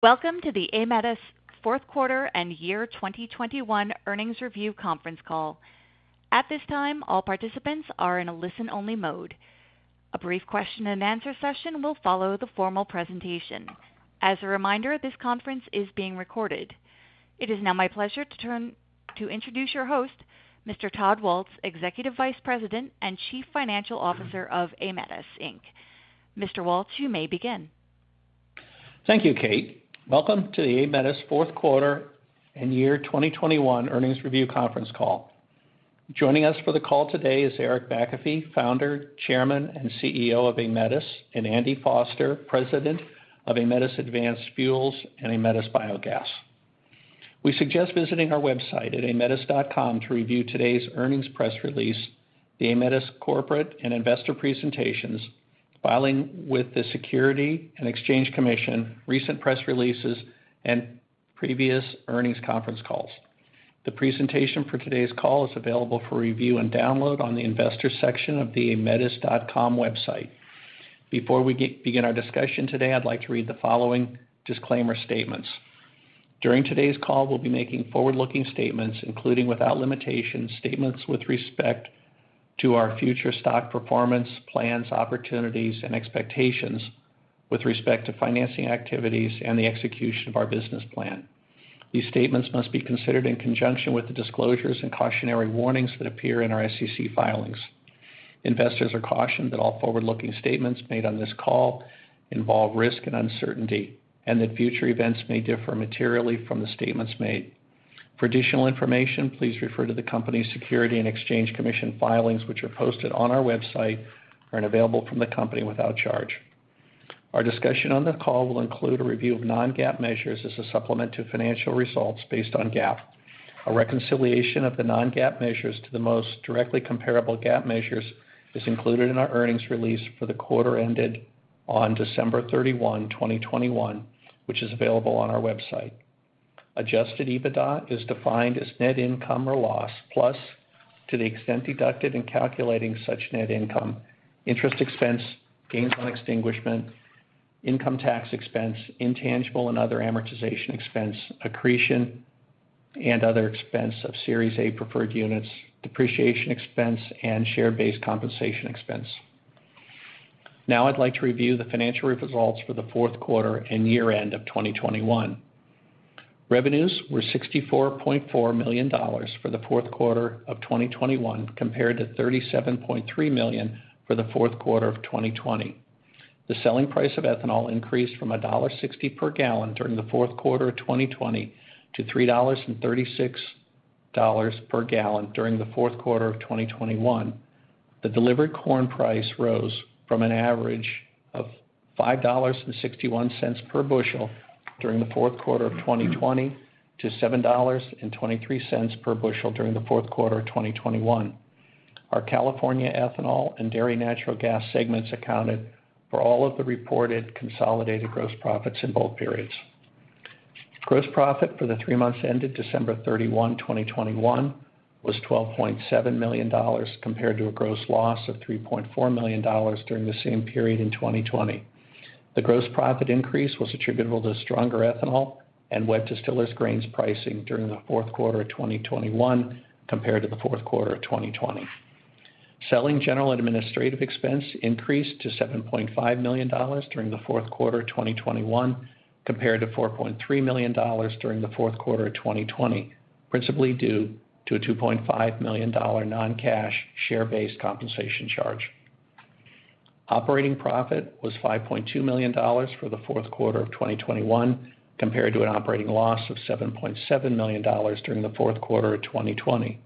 Welcome to the Aemetis fourth quarter and year 2021 earnings review conference call. At this time, all participants are in a listen-only mode. A brief question and answer session will follow the formal presentation. As a reminder, this conference is being recorded. It is now my pleasure to introduce your host, Mr. Todd Waltz, Executive Vice President and Chief Financial Officer of Aemetis, Inc. Mr. Waltz, you may begin. Thank you, Kate. Welcome to the Aemetis fourth quarter and year 2021 earnings review conference call. Joining us for the call today is Eric McAfee, Founder, Chairman, and CEO of Aemetis, and Andy Foster, President of Aemetis Advanced Fuels and Aemetis Biogas. We suggest visiting our website at aemetis.com to review today's earnings press release, the Aemetis corporate and investor presentations, filing with the Securities and Exchange Commission, recent press releases, and previous earnings conference calls. The presentation for today's call is available for review and download on the investor section of the aemetis.com website. Before we begin our discussion today, I'd like to read the following disclaimer statements. During today's call, we'll be making forward-looking statements, including without limitation, statements with respect to our future stock performance, plans, opportunities, and expectations with respect to financing activities and the execution of our business plan. These statements must be considered in conjunction with the disclosures and cautionary warnings that appear in our SEC filings. Investors are cautioned that all forward-looking statements made on this call involve risk and uncertainty, and that future events may differ materially from the statements made. For additional information, please refer to the company's Securities and Exchange Commission filings, which are posted on our website and available from the company without charge. Our discussion on the call will include a review of non-GAAP measures as a supplement to financial results based on GAAP. A reconciliation of the non-GAAP measures to the most directly comparable GAAP measures is included in our earnings release for the quarter ended December 31, 2021, which is available on our website. Adjusted EBITDA is defined as net income or loss, plus to the extent deducted in calculating such net income, interest expense, gains on extinguishment, income tax expense, intangible and other amortization expense, accretion and other expense of Series A preferred units, depreciation expense, and share-based compensation expense. I'd like to review the financial results for the fourth quarter and year-end of 2021. Revenues were $64.4 million for the fourth quarter of 2021 compared to $37.3 million for the fourth quarter of 2020. The selling price of ethanol increased from $1.60 per gallon during the fourth quarter of 2020 to $3.36 per gallon during the fourth quarter of 2021. The delivered corn price rose from an average of $5.61 per bushel during the fourth quarter of 2020 to $7.23 per bushel during the fourth quarter of 2021. Our California ethanol and dairy natural gas segments accounted for all of the reported consolidated gross profits in both periods. Gross profit for the three months ended December 31, 2021 was $12.7 million compared to a gross loss of $3.4 million during the same period in 2020. The gross profit increase was attributable to stronger ethanol and wet distillers grains pricing during the fourth quarter of 2021 compared to the fourth quarter of 2020. Selling, general, and administrative expense increased to $7.5 million during the fourth quarter of 2021 compared to $4.3 million during the fourth quarter of 2020, principally due to a $2.5 million non-cash share-based compensation charge. Operating profit was $5.2 million for the fourth quarter of 2021 compared to an operating loss of $7.7 million during the fourth quarter of 2020.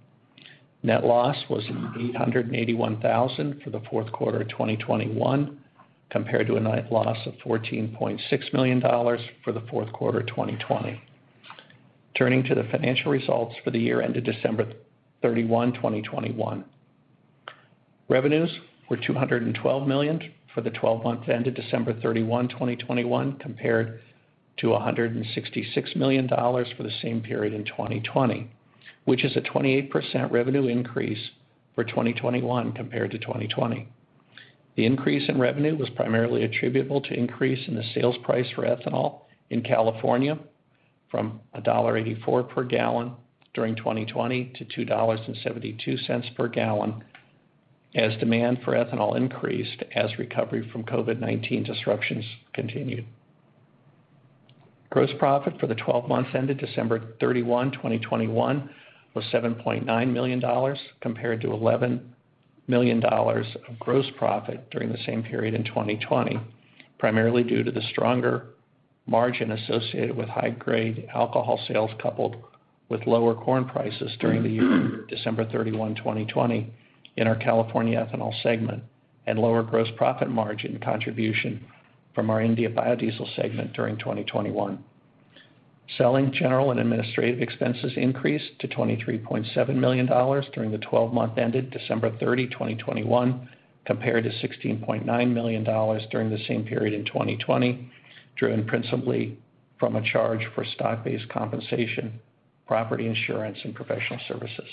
Net loss was $881,000 for the fourth quarter of 2021 compared to a net loss of $14.6 million for the fourth quarter of 2020. Turning to the financial results for the year ended December 31, 2021. Revenues were $212 million for the twelve months ended December 31, 2021, compared to $166 million for the same period in 2020, which is a 28% revenue increase for 2021 compared to 2020. The increase in revenue was primarily attributable to an increase in the sales price for ethanol in California from $1.84 per gallon during 2020 to $2.72 per gallon as demand for ethanol increased as recovery from COVID-19 disruptions continued. Gross profit for the 12 months ended December 31, 2021 was $7.9 million compared to $11 million of gross profit during the same period in 2020, primarily due to the stronger margin associated with high-grade alcohol sales coupled with lower corn prices during the year December 31, 2020 in our California ethanol segment and lower gross profit margin contribution from our India biodiesel segment during 2021. Selling, general, and administrative expenses increased to $23.7 million during the twelve-month ended December 30, 2021, compared to $16.9 million during the same period in 2020, driven principally from a charge for stock-based compensation, property insurance, and professional services.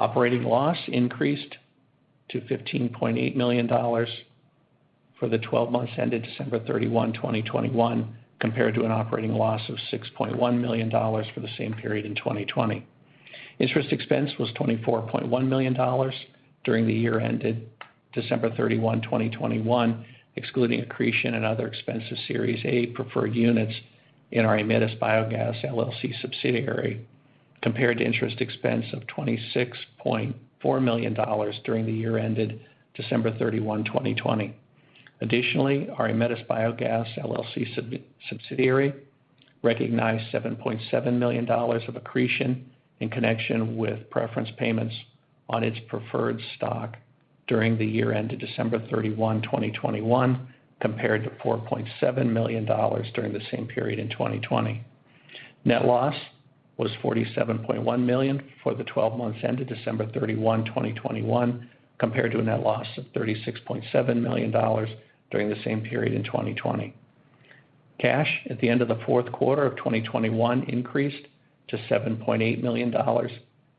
Operating loss increased to $15.8 million for the twelve months ended December 31, 2021, compared to an operating loss of $6.1 million for the same period in 2020. Interest expense was $24.1 million during the year ended December 31, 2021, excluding accretion and other expenses Series A preferred units in our Aemetis Biogas LLC subsidiary compared to interest expense of $26.4 million during the year ended December 31, 2020. Additionally, our Aemetis Biogas LLC sub-subsidiary recognized $7.7 million of accretion in connection with preference payments on its preferred stock during the year ended December 31, 2021, compared to $4.7 million during the same period in 2020. Net loss was $47.1 million for the twelve months ended December 31, 2021, compared to a net loss of $36.7 million during the same period in 2020. Cash at the end of the fourth quarter of 2021 increased to $7.8 million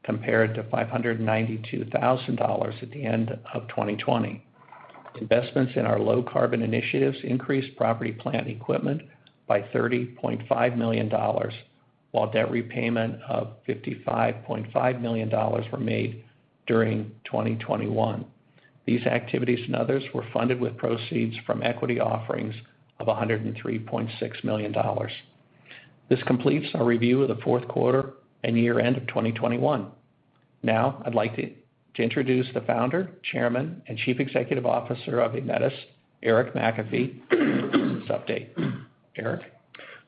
compared to $592,000 at the end of 2020. Investments in our low carbon initiatives increased property, plant, and equipment by $30.5 million, while debt repayment of $55.5 million were made during 2021. These activities and others were funded with proceeds from equity offerings of $103.6 million. This completes our review of the fourth quarter and year-end of 2021. Now I'd like to introduce the Founder, Chairman, and Chief Executive Officer of Aemetis, Eric McAfee to update. Eric.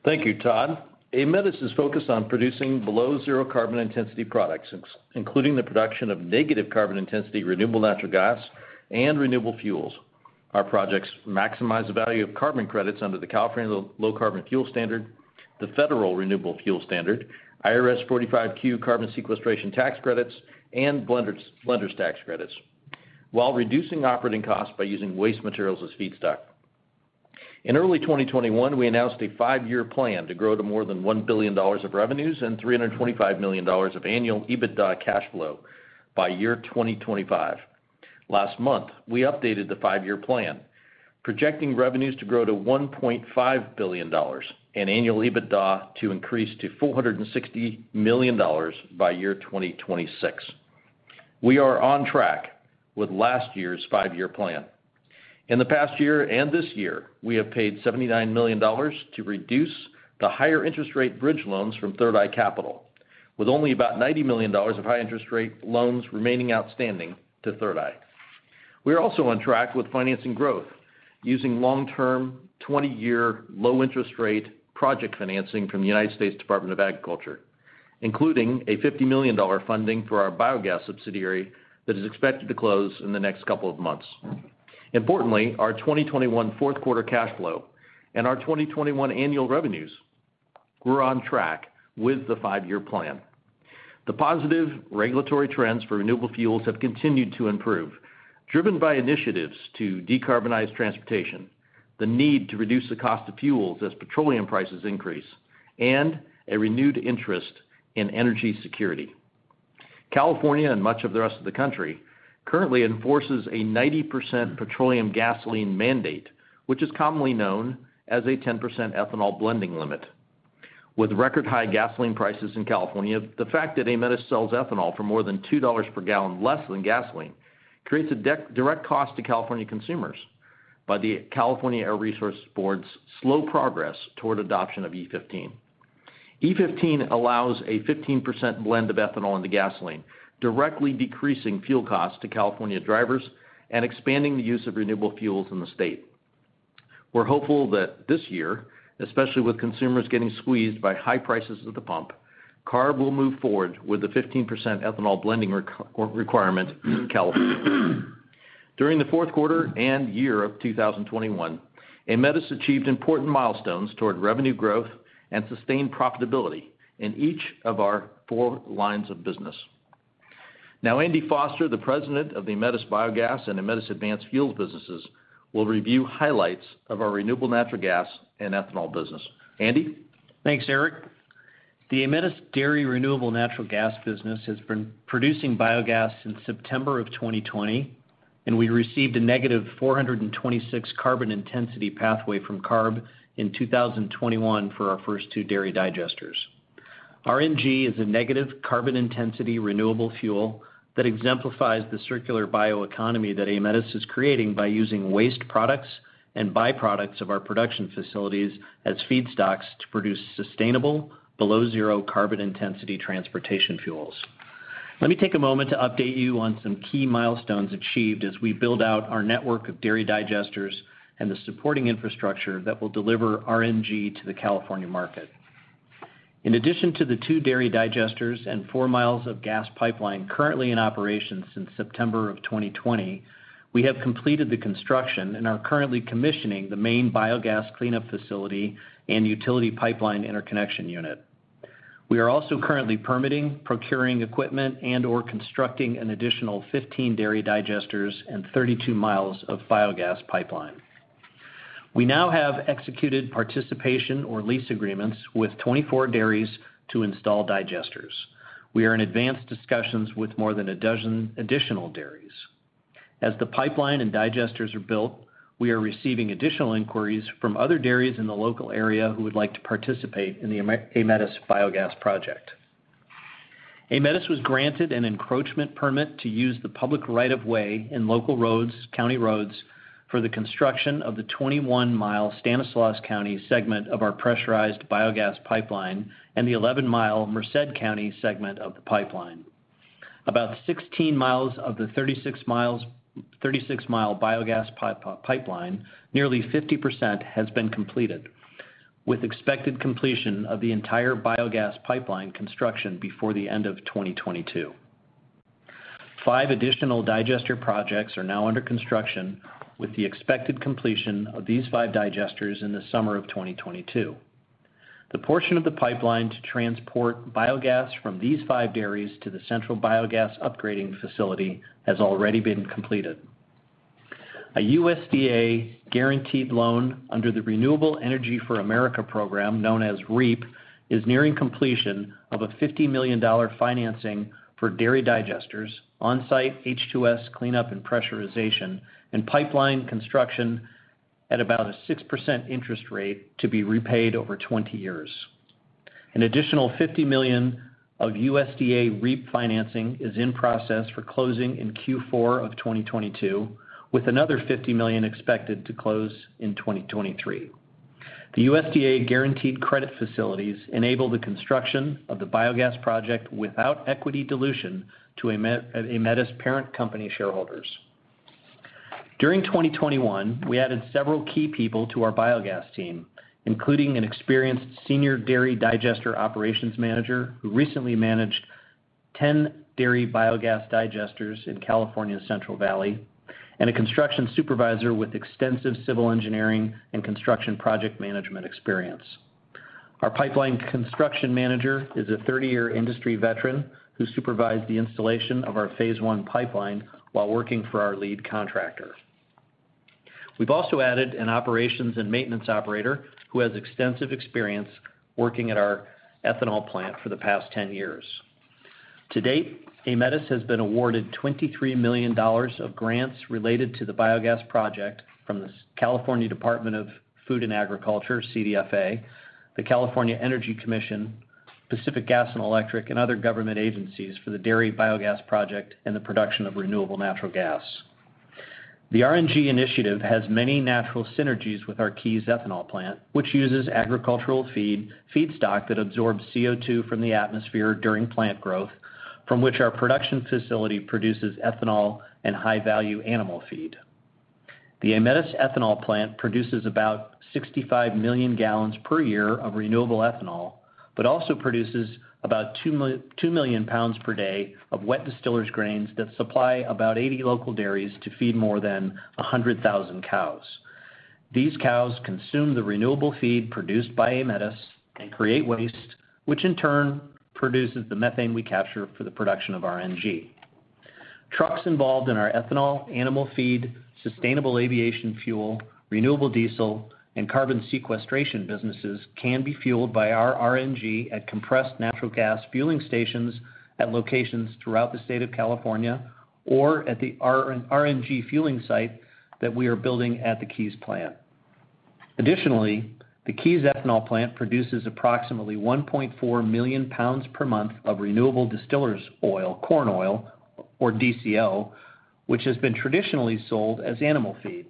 Thank you, Todd. Aemetis is focused on producing below zero carbon intensity products, including the production of negative carbon intensity renewable natural gas and renewable fuels. Our projects maximize the value of carbon credits under the California Low Carbon Fuel Standard, the Federal Renewable Fuel Standard, IRS forty-five Q carbon sequestration tax credits, and blenders tax credits, while reducing operating costs by using waste materials as feedstock. In early 2021, we announced a five-year plan to grow to more than $1 billion of revenues and $325 million of annual EBITDA cash flow by year 2025. Last month, we updated the five-year plan, projecting revenues to grow to $1.5 billion and annual EBITDA to increase to $460 million by year 2026. We are on track with last year's five-year plan. In the past year and this year, we have paid $79 million to reduce the higher interest rate bridge loans from Third Eye Capital, with only about $90 million of high interest rate loans remaining outstanding to Third Eye. We are also on track with financing growth using long-term, 20-year, low interest rate project financing from the United States Department of Agriculture, including a $50 million funding for our biogas subsidiary that is expected to close in the next couple of months. Importantly, our 2021 fourth quarter cash flow and our 2021 annual revenues were on track with the 5-year plan. The positive regulatory trends for renewable fuels have continued to improve, driven by initiatives to decarbonize transportation, the need to reduce the cost of fuels as petroleum prices increase, and a renewed interest in energy security. California, and much of the rest of the country, currently enforces a 90% petroleum gasoline mandate, which is commonly known as a 10% ethanol blending limit. With record high gasoline prices in California, the fact that Aemetis sells ethanol for more than $2 per gallon less than gasoline creates a direct cost to California consumers by the California Air Resources Board's slow progress toward adoption of E15. E15 allows a 15% blend of ethanol into gasoline, directly decreasing fuel costs to California drivers and expanding the use of renewable fuels in the state. We're hopeful that this year, especially with consumers getting squeezed by high prices at the pump, CARB will move forward with the 15% ethanol blending requirement in California. During the fourth quarter and year of 2021, Aemetis achieved important milestones toward revenue growth and sustained profitability in each of our four lines of business. Now Andy Foster, the President of the Aemetis Biogas and Aemetis Advanced Fuels businesses, will review highlights of our renewable natural gas and ethanol business. Andy? Thanks, Eric. The Aemetis dairy renewable natural gas business has been producing biogas since September of 2020, and we received a -426 carbon intensity pathway from CARB in 2021 for our first two dairy digesters. RNG is a negative carbon intensity renewable fuel that exemplifies the circular bioeconomy that Aemetis is creating by using waste products and byproducts of our production facilities as feedstocks to produce sustainable below zero carbon intensity transportation fuels. Let me take a moment to update you on some key milestones achieved as we build out our network of dairy digesters and the supporting infrastructure that will deliver RNG to the California market. In addition to the two dairy digesters and four miles of gas pipeline currently in operation since September 2020, we have completed the construction and are currently commissioning the main biogas cleanup facility and utility pipeline interconnection unit. We are also currently permitting, procuring equipment, and/or constructing an additional 15 dairy digesters and 32 miles of biogas pipeline. We now have executed participation or lease agreements with 24 dairies to install digesters. We are in advanced discussions with more than 12 additional dairies. As the pipeline and digesters are built, we are receiving additional inquiries from other dairies in the local area who would like to participate in the Aemetis biogas project. Aemetis was granted an encroachment permit to use the public right of way in local roads, county roads for the construction of the 21-mile Stanislaus County segment of our pressurized biogas pipeline and the 11-mile Merced County segment of the pipeline. About 16 miles of the 36-mile biogas pipeline, nearly 50% has been completed, with expected completion of the entire biogas pipeline construction before the end of 2022. Five additional digester projects are now under construction, with the expected completion of these five digesters in the summer of 2022. The portion of the pipeline to transport biogas from these five dairies to the central biogas upgrading facility has already been completed. A USDA guaranteed loan under the Renewable Energy for America Program, known as REAP, is nearing completion of a $50 million financing for dairy digesters on-site H2S cleanup and pressurization and pipeline construction at about a 6% interest rate to be repaid over 20 years. An additional $50 million of USDA REAP financing is in process for closing in Q4 of 2022, with another $50 million expected to close in 2023. The USDA guaranteed credit facilities enable the construction of the biogas project without equity dilution to Aemetis parent company shareholders. During 2021, we added several key people to our biogas team, including an experienced senior dairy digester operations manager who recently managed 10 dairy biogas digesters in California's Central Valley, and a construction supervisor with extensive civil engineering and construction project management experience. Our pipeline construction manager is a 30-year industry veteran who supervised the installation of our phase one pipeline while working for our lead contractor. We've also added an operations and maintenance operator who has extensive experience working at our ethanol plant for the past 10 years. To date, Aemetis has been awarded $23 million of grants related to the biogas project from the California Department of Food and Agriculture, CDFA, the California Energy Commission, Pacific Gas and Electric, and other government agencies for the dairy biogas project and the production of renewable natural gas. The RNG initiative has many natural synergies with our Keyes ethanol plant, which uses agricultural feed, feedstock that absorbs CO2 from the atmosphere during plant growth, from which our production facility produces ethanol and high-value animal feed. The Aemetis ethanol plant produces about 65 million gallons per year of renewable ethanol, but also produces about 2 million pounds per day of wet distillers' grains that supply about 80 local dairies to feed more than 100,000 cows. These cows consume the renewable feed produced by Aemetis and create waste, which in turn produces the methane we capture for the production of RNG. Trucks involved in our ethanol, animal feed, sustainable aviation fuel, renewable diesel, and carbon sequestration businesses can be fueled by our RNG at compressed natural gas fueling stations at locations throughout the state of California or at the RNG fueling site that we are building at the Keyes plant. Additionally, the Keyes ethanol plant produces approximately 1.4 million pounds per month of renewable distillers oil, corn oil, or DCO, which has been traditionally sold as animal feed.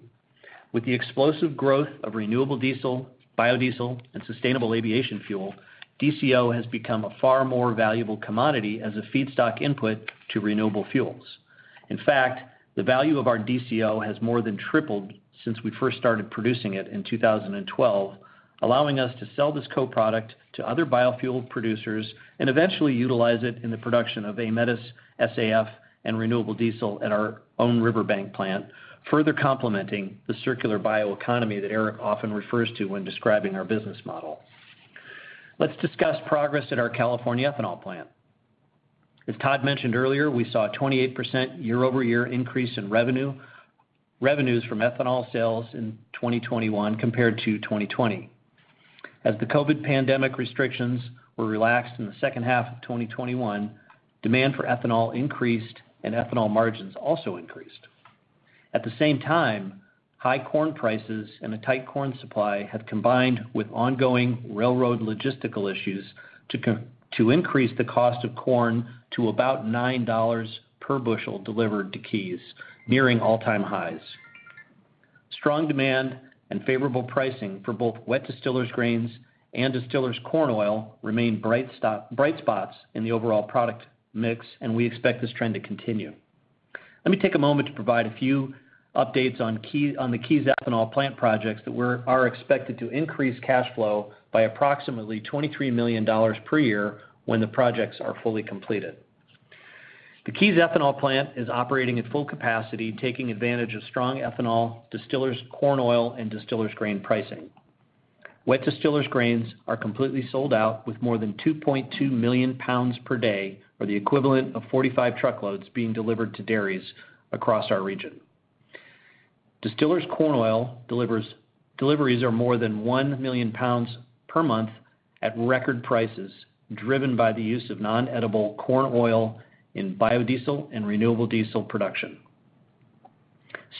With the explosive growth of renewable diesel, biodiesel, and sustainable aviation fuel, DCO has become a far more valuable commodity as a feedstock input to renewable fuels. In fact, the value of our DCO has more than tripled since we first started producing it in 2012, allowing us to sell this co-product to other biofuel producers and eventually utilize it in the production of Aemetis SAF and renewable diesel at our own Riverbank plant, further complementing the circular bioeconomy that Eric often refers to when describing our business model. Let's discuss progress at our California ethanol plant. As Todd mentioned earlier, we saw a 28% year-over-year increase in revenue, revenues from ethanol sales in 2021 compared to 2020. As the COVID pandemic restrictions were relaxed in the second half of 2021, demand for ethanol increased and ethanol margins also increased. At the same time, high corn prices and a tight corn supply have combined with ongoing railroad logistical issues to increase the cost of corn to about $9 per bushel delivered to Keyes, nearing all-time highs. Strong demand and favorable pricing for both wet distillers' grains and distillers' corn oil remain bright spots in the overall product mix, and we expect this trend to continue. Let me take a moment to provide a few updates on the Keyes ethanol plant projects that are expected to increase cash flow by approximately $23 million per year when the projects are fully completed. The Keyes ethanol plant is operating at full capacity, taking advantage of strong ethanol, distillers' corn oil, and distillers' grain pricing. Wet distillers grains are completely sold out with more than 2.2 million pounds per day or the equivalent of 45 truckloads being delivered to dairies across our region. Distillers corn oil deliveries are more than 1 million pounds per month at record prices, driven by the use of non-edible corn oil in biodiesel and renewable diesel production.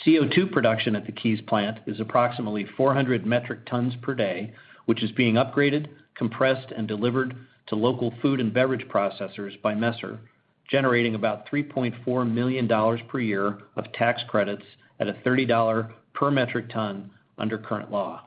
CO₂ production at the Keyes plant is approximately 400 metric tons per day, which is being upgraded, compressed, and delivered to local food and beverage processors by Messer, generating about $3.4 million per year of tax credits at a $30 per metric ton under current law.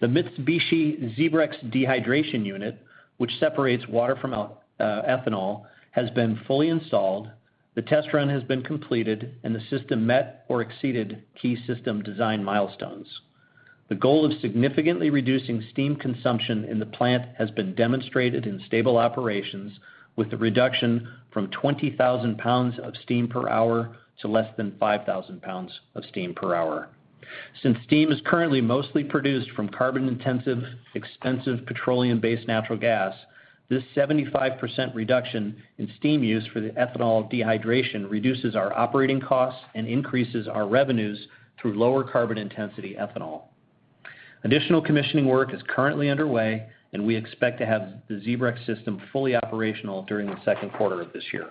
The Mitsubishi ZEBREX dehydration unit, which separates water from ethanol, has been fully installed, the test run has been completed, and the system met or exceeded key system design milestones. The goal of significantly reducing steam consumption in the plant has been demonstrated in stable operations, with the reduction from 20,000 pounds of steam per hour to less than 5,000 pounds of steam per hour. Since steam is currently mostly produced from carbon-intensive, expensive petroleum-based natural gas, this 75% reduction in steam use for the ethanol dehydration reduces our operating costs and increases our revenues through lower carbon intensity ethanol. Additional commissioning work is currently underway, and we expect to have the ZEBREX system fully operational during the second quarter of this year.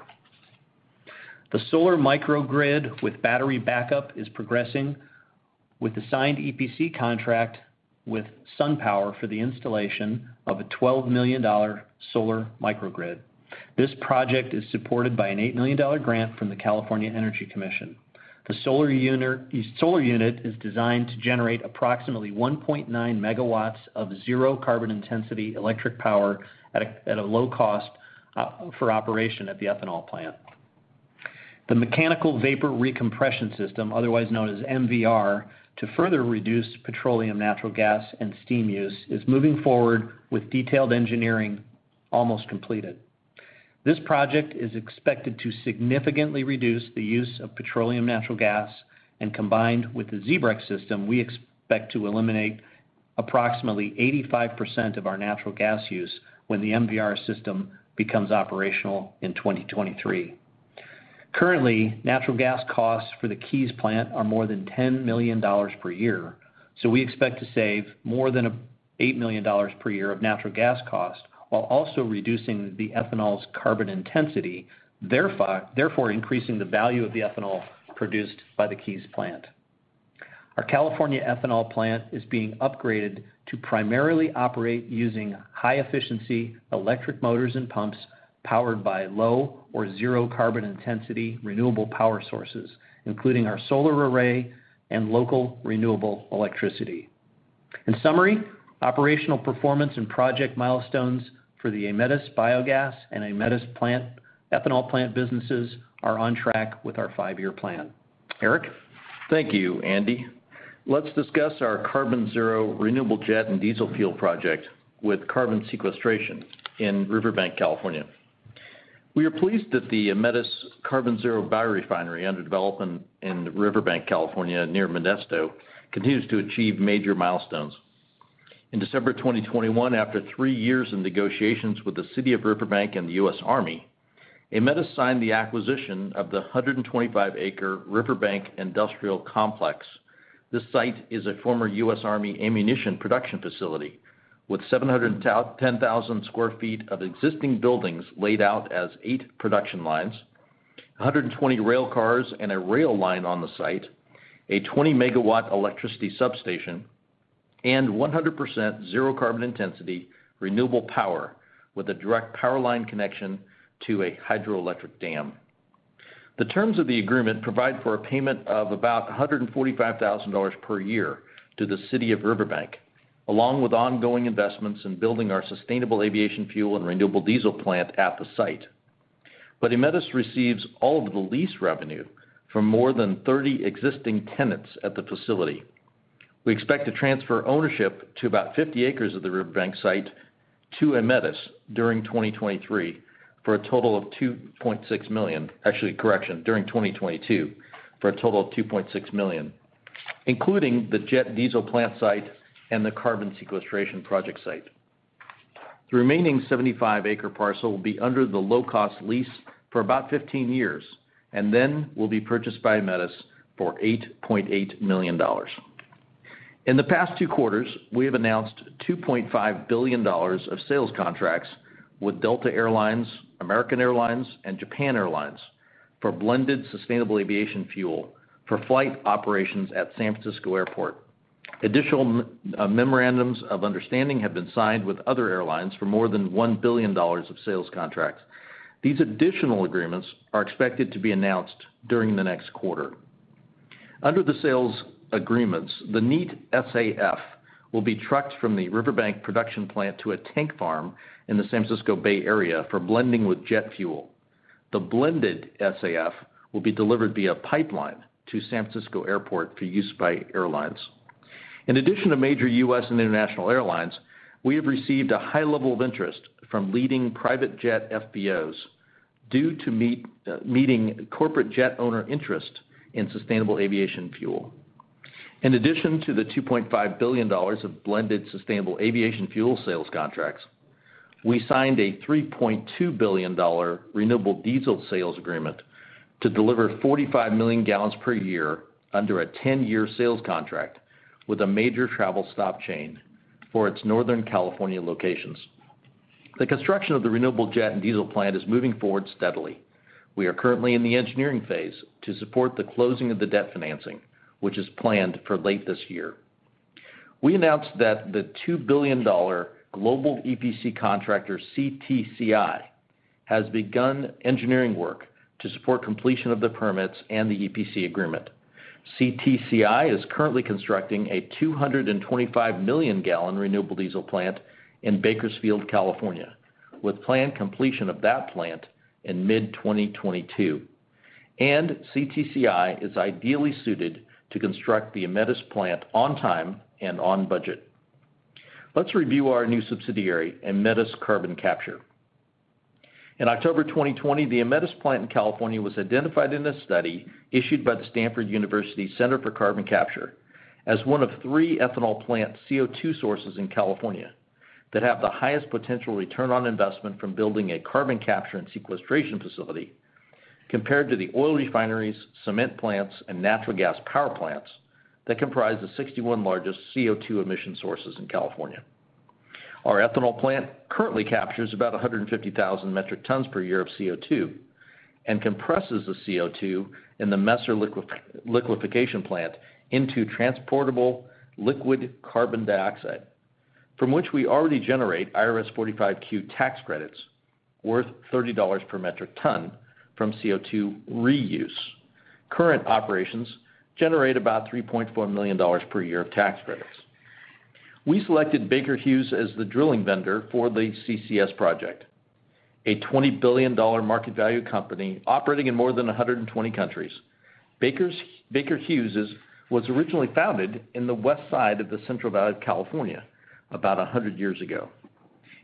The solar microgrid with battery backup is progressing with the signed EPC contract with SunPower for the installation of a $12 million solar microgrid. This project is supported by an $8 million grant from the California Energy Commission. The solar unit is designed to generate approximately 1.9 MW of zero carbon intensity electric power at a low cost for operation at the ethanol plant. The mechanical vapor recompression system, otherwise known as MVR, to further reduce petroleum, natural gas, and steam use, is moving forward with detailed engineering almost completed. This project is expected to significantly reduce the use of petroleum, natural gas, and combined with the ZEBREX system, we expect to eliminate approximately 85% of our natural gas use when the MVR system becomes operational in 2023. Currently, natural gas costs for the Keyes plant are more than $10 million per year. We expect to save more than $8 million per year of natural gas cost while also reducing the ethanol's carbon intensity, therefore increasing the value of the ethanol produced by the Keyes plant. Our California ethanol plant is being upgraded to primarily operate using high efficiency electric motors and pumps powered by low or zero carbon intensity renewable power sources, including our solar array and local renewable electricity. In summary, operational performance and project milestones for the Aemetis Biogas and Aemetis ethanol plant businesses are on track with our five-year plan. Eric? Thank you, Andy. Let's discuss our Carbon Zero renewable jet and diesel fuel project with carbon sequestration in Riverbank, California. We are pleased that the Aemetis Carbon Zero biorefinery under development in Riverbank, California, near Modesto, continues to achieve major milestones. In December 2021, after three years in negotiations with the city of Riverbank and the U.S. Army, Aemetis signed the acquisition of the 125-acre Riverbank industrial complex. This site is a former U.S. Army ammunition production facility with 710,000 sq ft of existing buildings laid out as eight production lines, 120 rail cars and a rail line on the site, a 20-MW electricity substation, and 100% zero carbon intensity renewable power with a direct power line connection to a hydroelectric dam. The terms of the agreement provide for a payment of about $145,000 per year to the city of Riverbank, along with ongoing investments in building our sustainable aviation fuel and renewable diesel plant at the site. Aemetis receives all of the lease revenue from more than 30 existing tenants at the facility. We expect to transfer ownership to about 50 acres of the Riverbank site to Aemetis during 2023 for a total of $2.6 million. Actually, correction, during 2022, for a total of $2.6 million, including the jet diesel plant site and the carbon sequestration project site. The remaining 75-acre parcel will be under the low-cost lease for about 15 years and then will be purchased by Aemetis for $8.8 million. In the past two quarters, we have announced $2.5 billion of sales contracts with Delta Air Lines, American Airlines, and Japan Airlines for blended sustainable aviation fuel for flight operations at San Francisco Airport. Additional memorandums of understanding have been signed with other airlines for more than $1 billion of sales contracts. These additional agreements are expected to be announced during the next quarter. Under the sales agreements, the neat SAF will be trucked from the Riverbank production plant to a tank farm in the San Francisco Bay Area for blending with jet fuel. The blended SAF will be delivered via pipeline to San Francisco Airport for use by airlines. In addition to major U.S. and international airlines, we have received a high level of interest from leading private jet FBOs. Due to meeting corporate jet owner interest in sustainable aviation fuel. In addition to the $2.5 billion of blended sustainable aviation fuel sales contracts, we signed a $3.2 billion renewable diesel sales agreement to deliver 45 million gallons per year under a 10-year sales contract with a major travel stop chain for its Northern California locations. The construction of the renewable jet and diesel plant is moving forward steadily. We are currently in the engineering phase to support the closing of the debt financing, which is planned for late this year. We announced that the $2 billion global EPC contractor, CTCI, has begun engineering work to support completion of the permits and the EPC agreement. CTCI is currently constructing a 225 million gallon renewable diesel plant in Bakersfield, California, with planned completion of that plant in mid-2022, and CTCI is ideally suited to construct the Aemetis plant on time and on budget. Let's review our new subsidiary, Aemetis Carbon Capture. In October 2020, the Aemetis plant in California was identified in a study issued by the Stanford University Center for Carbon Storage as one of three ethanol plant CO2 sources in California that have the highest potential return on investment from building a carbon capture and sequestration facility compared to the oil refineries, cement plants, and natural gas power plants that comprise the 61 largest CO2 emission sources in California. Our ethanol plant currently captures about 150,000 metric tons per year of CO2 and compresses the CO2 in the Messer liquefaction plant into transportable liquid carbon dioxide, from which we already generate IRS 45Q tax credits worth $30 per metric ton from CO2 reuse. Current operations generate about $3.4 million per year of tax credits. We selected Baker Hughes as the drilling vendor for the CCS project, a $20 billion market value company operating in more than 120 countries. Baker Hughes was originally founded in the west side of the Central Valley of California about 100 years ago,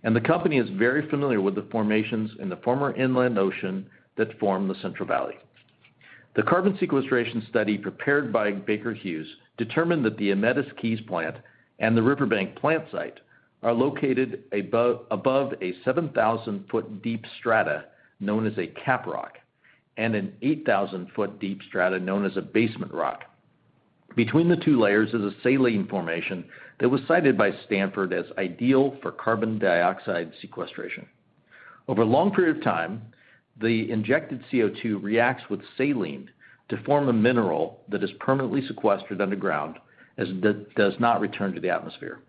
and the company is very familiar with the formations in the former inland ocean that form the Central Valley. The carbon sequestration study prepared by Baker Hughes determined that the Aemetis Keyes plant and the Riverbank plant site are located above a 7,000-foot-deep strata known as a cap rock and an 8,000-foot-deep strata known as a basement rock. Between the two layers is a saline formation that was cited by Stanford as ideal for carbon dioxide sequestration. Over a long period of time, the injected CO2 reacts with saline to form a mineral that is permanently sequestered underground as it does not return to the atmosphere.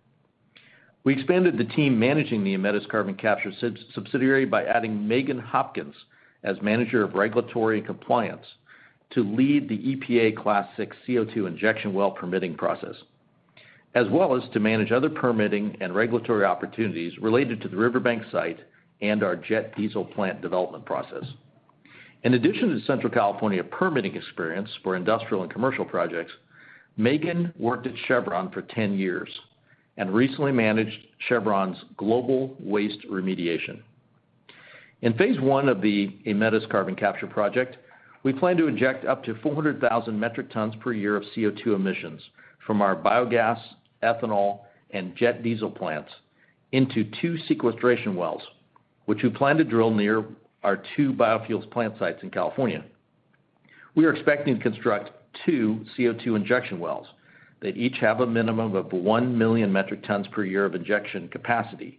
We expanded the team managing the Aemetis carbon capture subsidiary by adding Megan Hopkins as Manager of Regulatory and Compliance to lead the EPA Class VI CO2 injection well permitting process, as well as to manage other permitting and regulatory opportunities related to the Riverbank site and our jet diesel plant development process. In addition to the Central California permitting experience for industrial and commercial projects, Megan worked at Chevron for 10 years and recently managed Chevron's global waste remediation. In phase one of the Aemetis Carbon Capture project, we plan to inject up to 400,000 metric tons per year of CO2 emissions from our biogas, ethanol, and jet diesel plants into 2 sequestration wells, which we plan to drill near our two biofuels plant sites in California. We are expecting to construct two CO2 injection wells that each have a minimum of 1 million metric tons per year of injection capacity,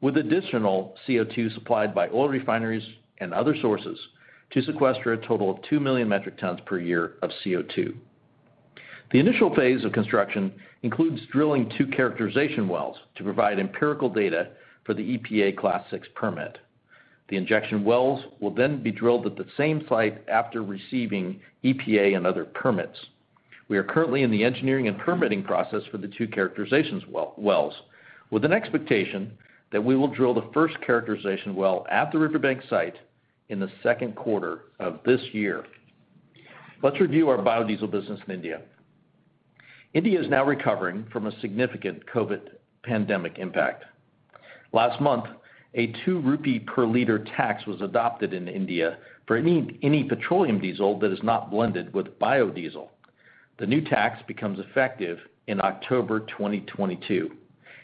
with additional CO2 supplied by oil refineries and other sources to sequester a total of 2 million metric tons per year of CO2. The initial phase of construction includes drilling two characterization wells to provide empirical data for the EPA Class VI permit. The injection wells will then be drilled at the same site after receiving EPA and other permits. We are currently in the engineering and permitting process for the two characterization wells, with an expectation that we will drill the first characterization well at the Riverbank site in the second quarter of this year. Let's review our biodiesel business in India. India is now recovering from a significant COVID pandemic impact. Last month, an 2 rupee per liter tax was adopted in India for any petroleum diesel that is not blended with biodiesel. The new tax becomes effective in October 2022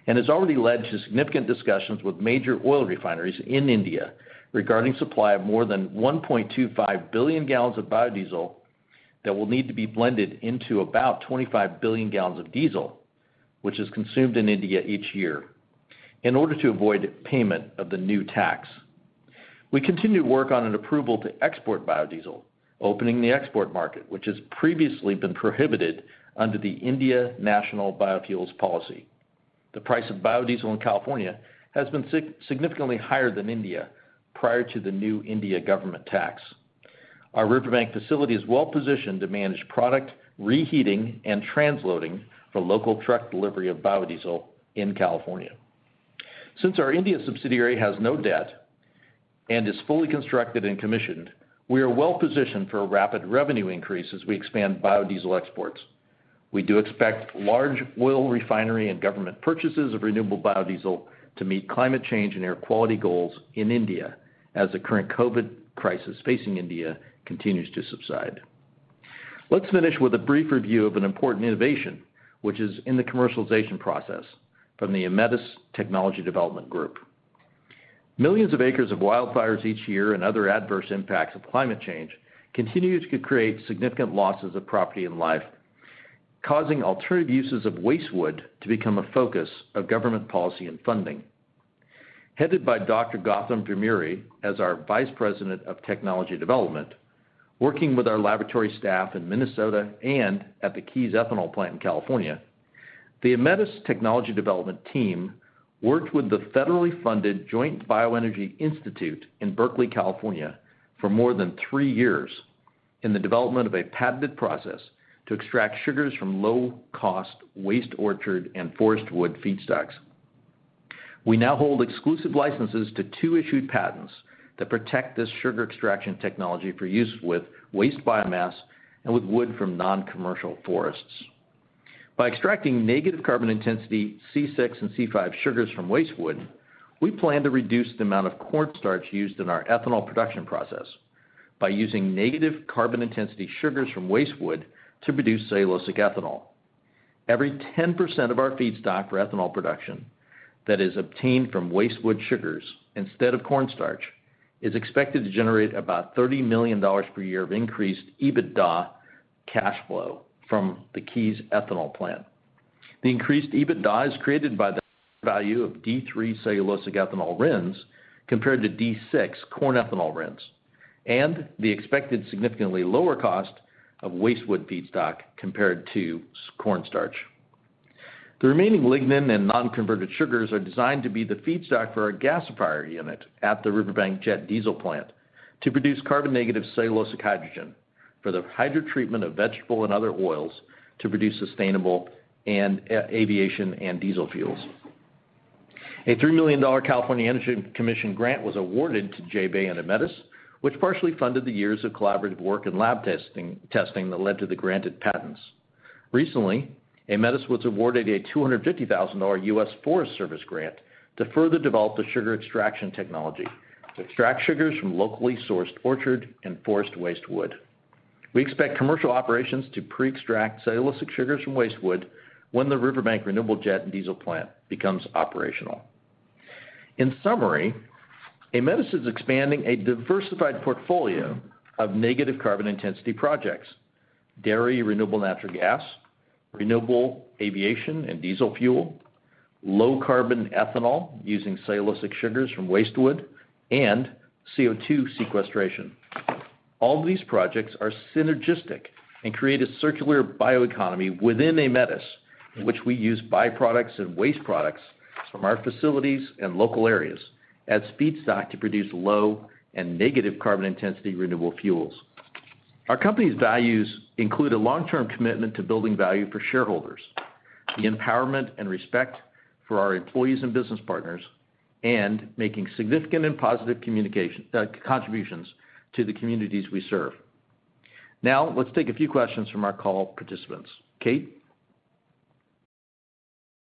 and has already led to significant discussions with major oil refineries in India regarding supply of more than 1.25 billion gallons of biodiesel that will need to be blended into about 25 billion gallons of diesel, which is consumed in India each year in order to avoid payment of the new tax. We continue to work on an approval to export biodiesel, opening the export market, which has previously been prohibited under the India National Biofuels Policy. The price of biodiesel in California has been significantly higher than in India prior to the new Indian government tax. Our Riverbank facility is well positioned to manage product reheating and transloading for local truck delivery of biodiesel in California. Since our India subsidiary has no debt and is fully constructed and commissioned, we are well positioned for a rapid revenue increase as we expand biodiesel exports. We do expect large oil refinery and government purchases of renewable biodiesel to meet climate change and air quality goals in India as the current COVID crisis facing India continues to subside. Let's finish with a brief review of an important innovation, which is in the commercialization process from the Aemetis technology development group. Millions of acres of wildfires each year and other adverse impacts of climate change continues to create significant losses of property and life, causing alternative uses of waste wood to become a focus of government policy and funding. Headed by Dr. Gautam Vemuri as our Vice President of Technology Development, working with our laboratory staff in Minnesota and at the Keyes Ethanol plant in California, the Aemetis technology development team worked with the federally funded Joint BioEnergy Institute in Berkeley, California, for more than three years in the development of a patented process to extract sugars from low-cost waste orchard and forest wood feedstocks. We now hold exclusive licenses to two issued patents that protect this sugar extraction technology for use with waste biomass and with wood from non-commercial forests. By extracting negative carbon intensity C6 and C5 sugars from waste wood, we plan to reduce the amount of corn starch used in our ethanol production process by using negative carbon intensity sugars from waste wood to produce cellulosic ethanol. Every 10% of our feedstock for ethanol production that is obtained from waste wood sugars instead of corn starch is expected to generate about $30 million per year of increased EBITDA cash flow from the Keyes Ethanol plant. The increased EBITDA is created by the value of D3 cellulosic ethanol RINs compared to D6 corn ethanol RINs, and the expected significantly lower cost of waste wood feedstock compared to corn starch. The remaining lignin and non-converted sugars are designed to be the feedstock for our gasifier unit at the Riverbank Jet Diesel plant to produce carbon negative cellulosic hydrogen for the hydrotreatment of vegetable and other oils to produce sustainable and aviation and diesel fuels. A $3 million California Energy Commission grant was awarded to JBEI and Aemetis, which partially funded the years of collaborative work and lab testing that led to the granted patents. Recently, Aemetis was awarded a $250,000 U.S. Forest Service grant to further develop the sugar extraction technology to extract sugars from locally sourced orchard and forest waste wood. We expect commercial operations to pre-extract cellulosic sugars from waste wood when the Riverbank Renewable Jet and Diesel plant becomes operational. In summary, Aemetis is expanding a diversified portfolio of negative carbon intensity projects, dairy renewable natural gas, renewable aviation and diesel fuel, low carbon ethanol using cellulosic sugars from waste wood, and CO2 sequestration. All these projects are synergistic and create a circular bioeconomy within Aemetis, in which we use byproducts and waste products from our facilities and local areas as feedstock to produce low and negative carbon intensity renewable fuels. Our company's values include a long-term commitment to building value for shareholders, the empowerment and respect for our employees and business partners, and making significant and positive contributions to the communities we serve. Now let's take a few questions from our call participants. Kate?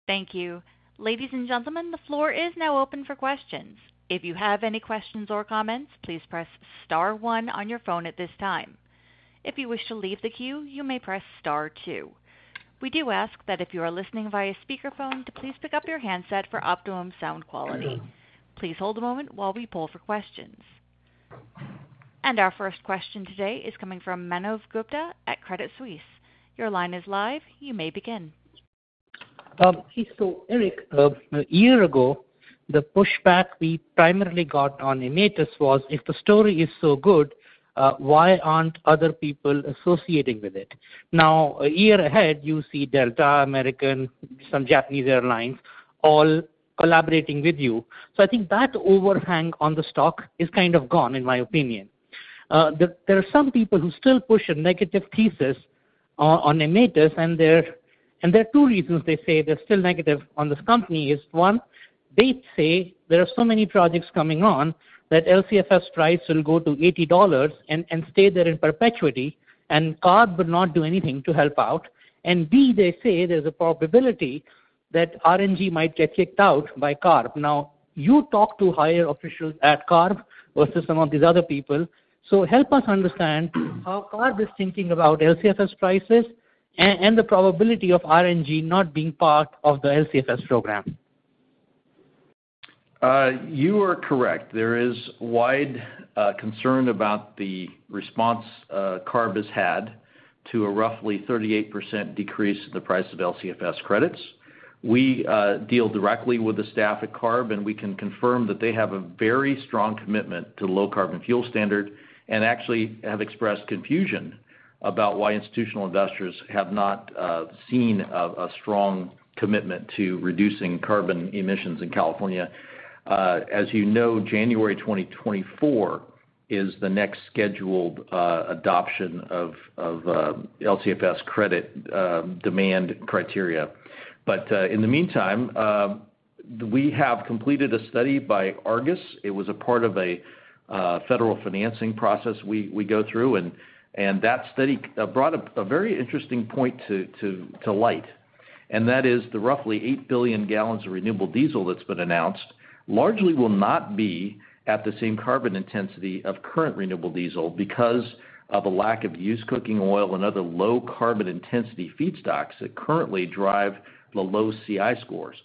Thank you. Ladies and gentlemen, the floor is now open for questions. If you have any questions or comments, please press star one on your phone at this time. If you wish to leave the queue, you may press star two. We do ask that if you are listening via speakerphone, to please pick up your handset for optimum sound quality. Please hold a moment while we poll for questions. Our first question today is coming from Manav Gupta at Credit Suisse. Your line is live, you may begin. Okay. Eric, a year ago, the pushback we primarily got on Aemetis was if the story is so good, why aren't other people associating with it? Now, a year ahead, you see Delta, American, some Japanese airlines all collaborating with you. I think that overhang on the stock is kind of gone in my opinion. There are some people who still push a negative thesis on Aemetis, and there are two reasons they say they're still negative on this company is one, they say there are so many projects coming on that LCFS price will go to $80 and stay there in perpetuity, and CARB will not do anything to help out. B, they say there's a probability that RNG might get kicked out by CARB. Now, you talk to higher officials at CARB versus some of these other people. Help us understand how CARB is thinking about LCFS prices and the probability of RNG not being part of the LCFS program. You are correct. There is wide concern about the response CARB has had to a roughly 38% decrease in the price of LCFS credits. We deal directly with the staff at CARB, and we can confirm that they have a very strong commitment to Low Carbon Fuel Standard, and actually have expressed confusion about why institutional investors have not seen a strong commitment to reducing carbon emissions in California. As you know, January 2024 is the next scheduled adoption of LCFS credit demand criteria. In the meantime, we have completed a study by Argus. It was a part of a federal financing process we go through, and that study brought up a very interesting point to light. That is the roughly 8 billion gallons of renewable diesel that's been announced largely will not be at the same carbon intensity of current renewable diesel because of a lack of used cooking oil and other low carbon intensity feedstocks that currently drive the low CI scores.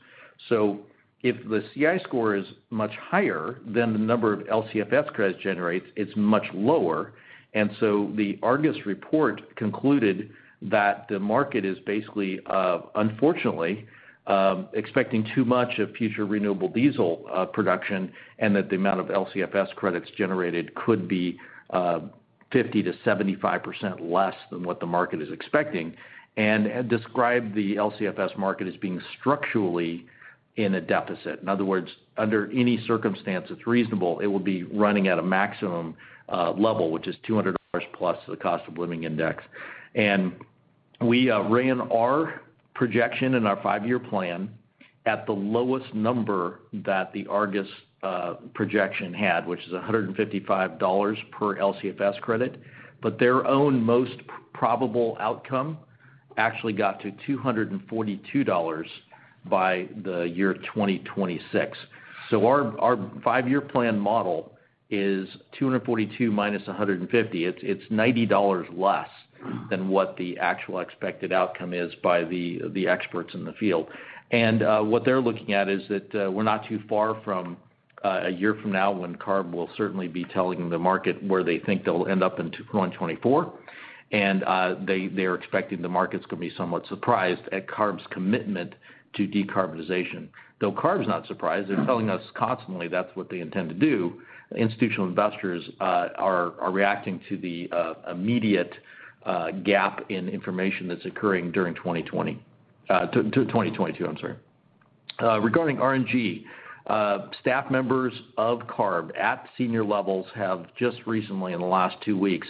If the CI score is much higher than the number of LCFS credits generates, it's much lower. The Argus report concluded that the market is basically, unfortunately, expecting too much of future renewable diesel production, and that the amount of LCFS credits generated could be 50%-75% less than what the market is expecting, and described the LCFS market as being structurally in a deficit. In other words, under any circumstance that's reasonable, it would be running at a maximum level, which is $200 plus the cost of living index. We ran our projection in our five-year plan at the lowest number that the Argus projection had, which is $155 per LCFS credit. Their own most probable outcome actually got to $242 by the year 2026. Our five-year plan model is 242 minus 150. It's $90 less than what the actual expected outcome is by the experts in the field. What they're looking at is that we're not too far from a year from now when CARB will certainly be telling the market where they think they'll end up in 2024. They're expecting the markets can be somewhat surprised at CARB's commitment to decarbonization. Though CARB's not surprised. They're telling us constantly that's what they intend to do. Institutional investors are reacting to the immediate gap in information that's occurring during 2022 regarding RNG. Staff members of CARB at senior levels have just recently in the last two weeks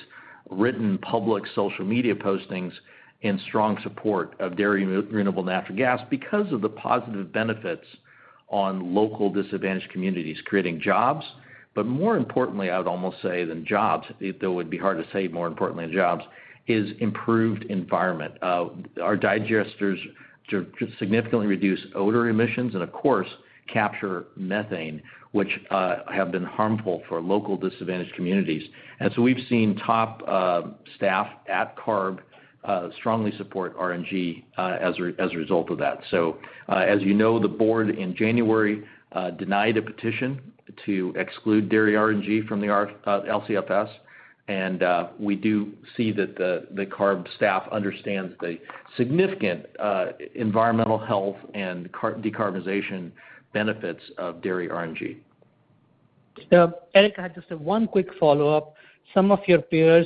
written public social media postings in strong support of dairy renewable natural gas because of the positive benefits on local disadvantaged communities, creating jobs. More importantly, I would almost say than jobs, though it would be hard to say more importantly than jobs, is improved environment. Our digesters significantly reduce odor emissions and of course capture methane, which have been harmful for local disadvantaged communities. We've seen top staff at CARB strongly support RNG as a result of that. As you know, the board in January denied a petition to exclude dairy RNG from the LCFS. We do see that the CARB staff understands the significant environmental health and decarbonization benefits of dairy RNG. Eric, I just have one quick follow-up. Some of your peers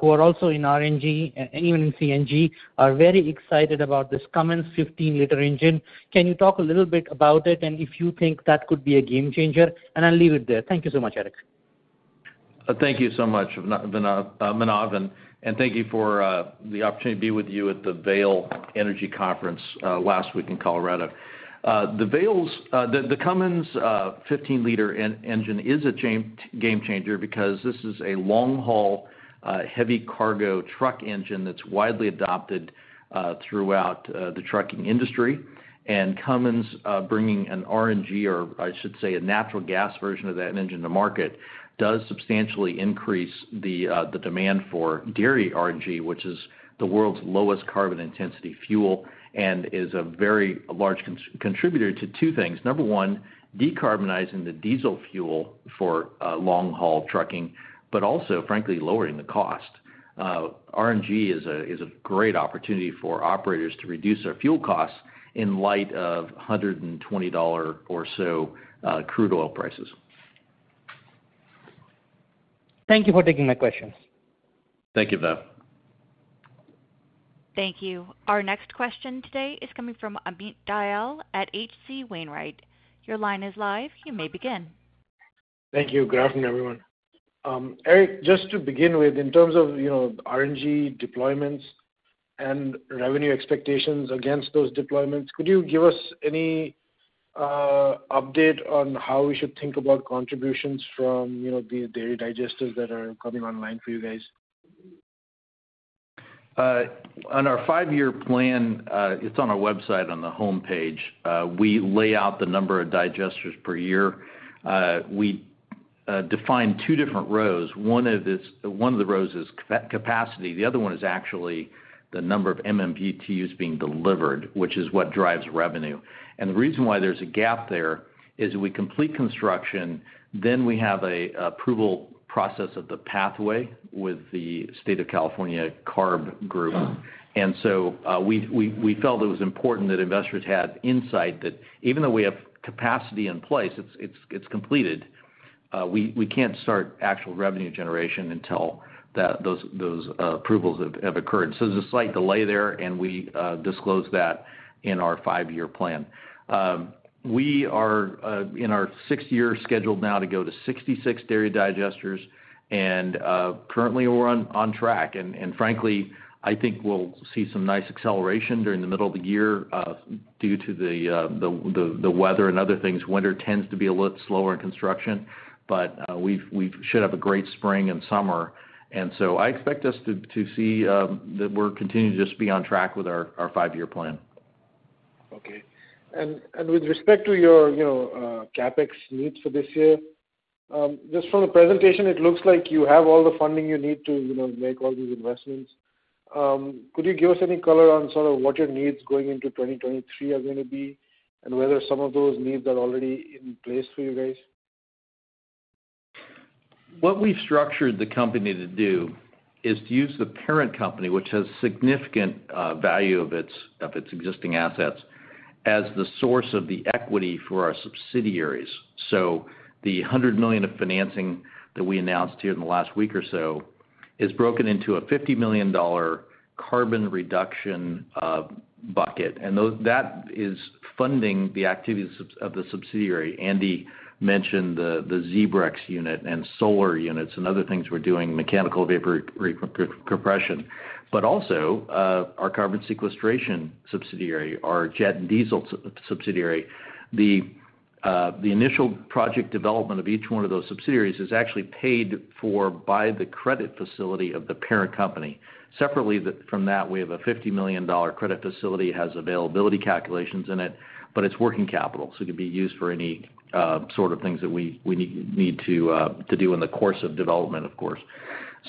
who are also in RNG and even in CNG are very excited about this Cummins 15-liter engine. Can you talk a little bit about it and if you think that could be a game changer? I'll leave it there. Thank you so much, Eric. Thank you so much, Manav. Thank you for the opportunity to be with you at the Vail Energy Conference last week in Colorado. The Cummins 15-liter engine is a game changer because this is a long-haul heavy cargo truck engine that's widely adopted throughout the trucking industry. Cummins bringing an RNG or I should say a natural gas version of that engine to market does substantially increase the demand for dairy RNG, which is the world's lowest carbon intensity fuel, and is a very large contributor to two things. Number one, decarbonizing the diesel fuel for long-haul trucking, but also frankly, lowering the cost. RNG is a great opportunity for operators to reduce their fuel costs in light of $120 or so crude oil prices. Thank you for taking my questions. Thank you, Manav. Thank you. Our next question today is coming from Amit Dayal at H.C. Wainwright. Your line is live. You may begin. Thank you. Good afternoon, everyone. Eric, just to begin with, in terms of, you know, RNG deployments and revenue expectations against those deployments, could you give us any update on how we should think about contributions from, you know, the dairy digesters that are coming online for you guys? On our five-year plan, it's on our website on the homepage, we lay out the number of digesters per year. We define two different rows. One of the rows is capacity. The other one is actually the number of MMBtu being delivered, which is what drives revenue. The reason why there's a gap there is we complete construction, then we have an approval process of the pathway with the state of California CARB group. We felt it was important that investors had insight that even though we have capacity in place, it's completed, we can't start actual revenue generation until those approvals have occurred. There's a slight delay there, and we disclose that in our five-year plan. We are in our sixth year scheduled now to go to 66 dairy digesters, and currently we're on track. Frankly, I think we'll see some nice acceleration during the middle of the year due to the weather and other things. Winter tends to be a little slower in construction, but we should have a great spring and summer. I expect us to see that we're continuing to just be on track with our five-year plan. With respect to your, you know, CapEx needs for this year, just from the presentation, it looks like you have all the funding you need to, you know, make all these investments. Could you give us any color on sort of what your needs going into 2023 are gonna be and whether some of those needs are already in place for you guys? What we've structured the company to do is to use the parent company, which has significant value of its existing assets, as the source of the equity for our subsidiaries. The $100 million of financing that we announced here in the last week or so is broken into a $50 million carbon reduction bucket. That is funding the activities of the subsidiary. Andy mentioned the ZEBREX unit and solar units and other things we're doing, mechanical vapor recompression. Also, our carbon sequestration subsidiary, our jet and diesel subsidiary. The initial project development of each one of those subsidiaries is actually paid for by the credit facility of the parent company. Separately, from that, we have a $50 million credit facility that has availability calculations in it, but it's working capital, so it could be used for any sort of things that we need to do in the course of development, of course.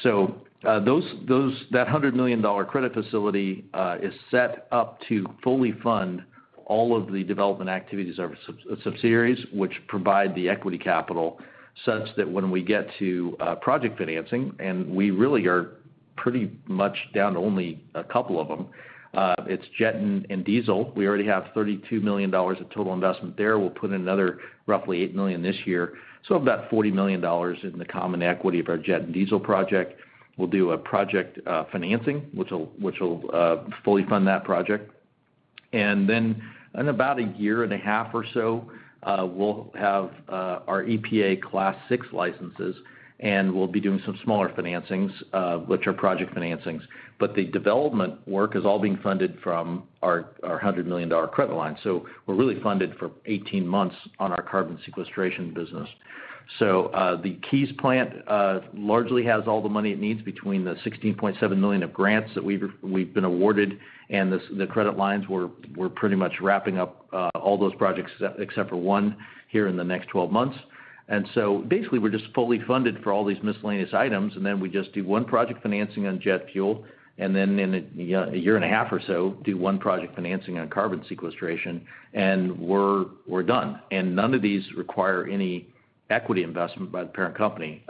That $100 million credit facility is set up to fully fund all of the development activities of our subsidiaries, which provide the equity capital such that when we get to project financing, and we really are pretty much down to only a couple of them, it's jet and diesel. We already have $32 million of total investment there. We'll put another roughly $8 million this year, so about $40 million in the common equity of our jet and diesel project. We'll do a project financing, which'll fully fund that project. Then in about a year and a half or so, we'll have our EPA Class VI licenses, and we'll be doing some smaller financings, which are project financings. The development work is all being funded from our $100 million credit line. We're really funded for 18 months on our carbon sequestration business. The Keyes plant largely has all the money it needs between the $16.7 million of grants that we've been awarded and the credit lines. We're pretty much wrapping up all those projects except for one here in the next 12 months. Basically we're just fully funded for all these miscellaneous items, and then we just do one project financing on jet fuel, and then in a year and a half or so, do one project financing on carbon sequestration, and we're done. None of these require any equity investment by the parent company.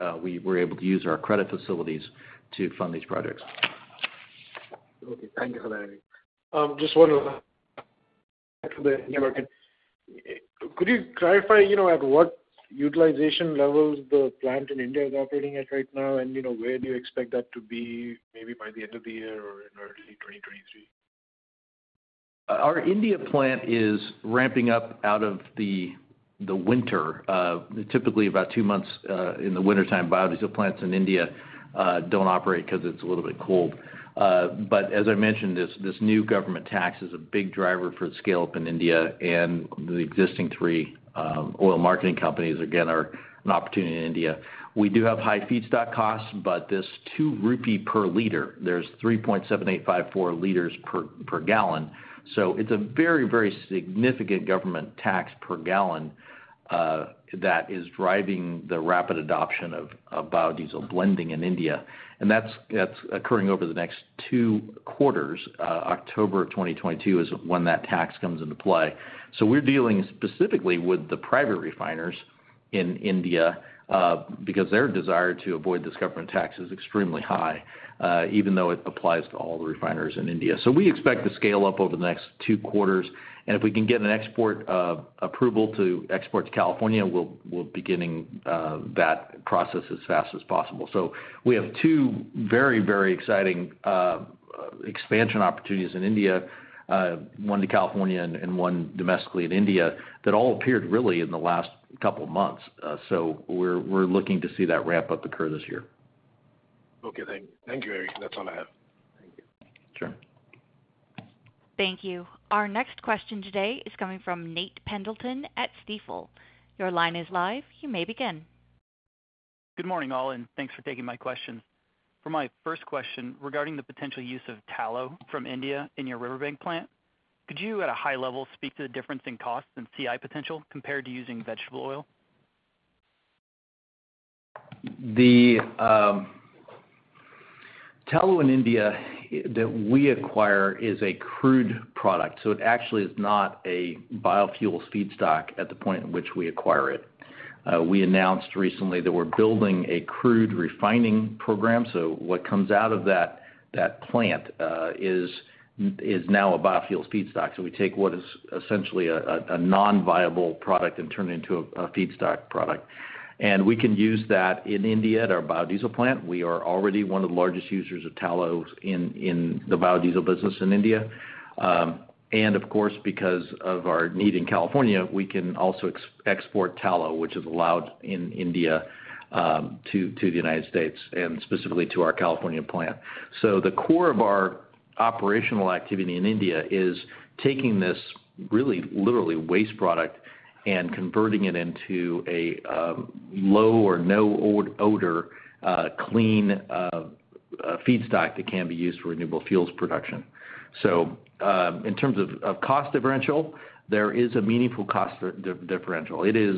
We're able to use our credit facilities to fund these projects. Okay, thank you for that, Eric. Just one other for the market. Could you clarify, you know, at what utilization levels the plant in India is operating at right now, and, you know, where do you expect that to be maybe by the end of the year or in early 2023? Our India plant is ramping up out of the winter. Typically about two months in the wintertime, biodiesel plants in India don't operate 'cause it's a little bit cold. As I mentioned, this new government tax is a big driver for scale up in India, and the existing three oil marketing companies again are an opportunity in India. We do have high feedstock costs, but this INR two per liter, there's 3.7854 liters per gallon. It's a very significant government tax per gallon that is driving the rapid adoption of biodiesel blending in India. That's occurring over the next two quarters. October of 2022 is when that tax comes into play. We're dealing specifically with the private refiners in India, because their desire to avoid this government tax is extremely high, even though it applies to all the refiners in India. We expect to scale up over the next two quarters, and if we can get an export approval to export to California, we'll begin that process as fast as possible. We have two very exciting expansion opportunities in India, one to California and one domestically in India that all appeared really in the last couple of months. We're looking to see that ramp-up occur this year. Okay, thank you. Thank you, Eric. That's all I have. Thank you. Sure. Thank you. Our next question today is coming from Nate Pendleton at Stifel. Your line is live. You may begin. Good morning, all, and thanks for taking my questions. For my first question, regarding the potential use of tallow from India in your Riverbank plant, could you, at a high level, speak to the difference in cost and CI potential compared to using vegetable oil? The tallow in India that we acquire is a crude product, so it actually is not a biofuel feedstock at the point at which we acquire it. We announced recently that we're building a crude refining program, so what comes out of that plant is now a biofuels feedstock. We take what is essentially a non-viable product and turn it into a feedstock product. We can use that in India at our biodiesel plant. We are already one of the largest users of tallows in the biodiesel business in India. Of course, because of our need in California, we can also export tallow, which is allowed in India, to the United States and specifically to our California plant. The core of our operational activity in India is taking this really literally waste product and converting it into a low or no odor, clean, a feedstock that can be used for renewable fuels production. In terms of cost differential, there is a meaningful cost differential. It is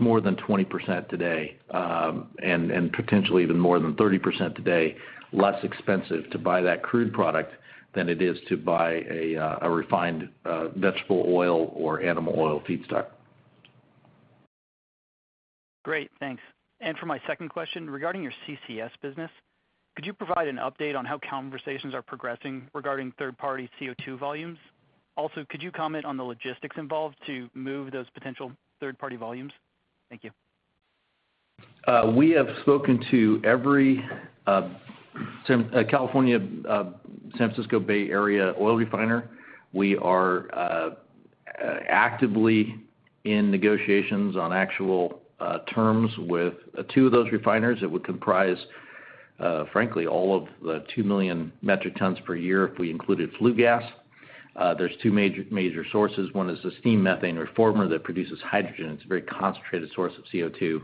more than 20% today, and potentially even more than 30% today, less expensive to buy that crude product than it is to buy a refined vegetable oil or animal oil feedstock. Great. Thanks. For my second question, regarding your CCS business, could you provide an update on how conversations are progressing regarding third-party CO2 volumes? Also, could you comment on the logistics involved to move those potential third-party volumes? Thank you. We have spoken to every California San Francisco Bay Area oil refiner. We are actively in negotiations on actual terms with two of those refiners that would comprise frankly all of the 2 million metric tons per year if we included flue gas. There are two major sources. One is the steam methane reformer that produces hydrogen. It's a very concentrated source of CO2.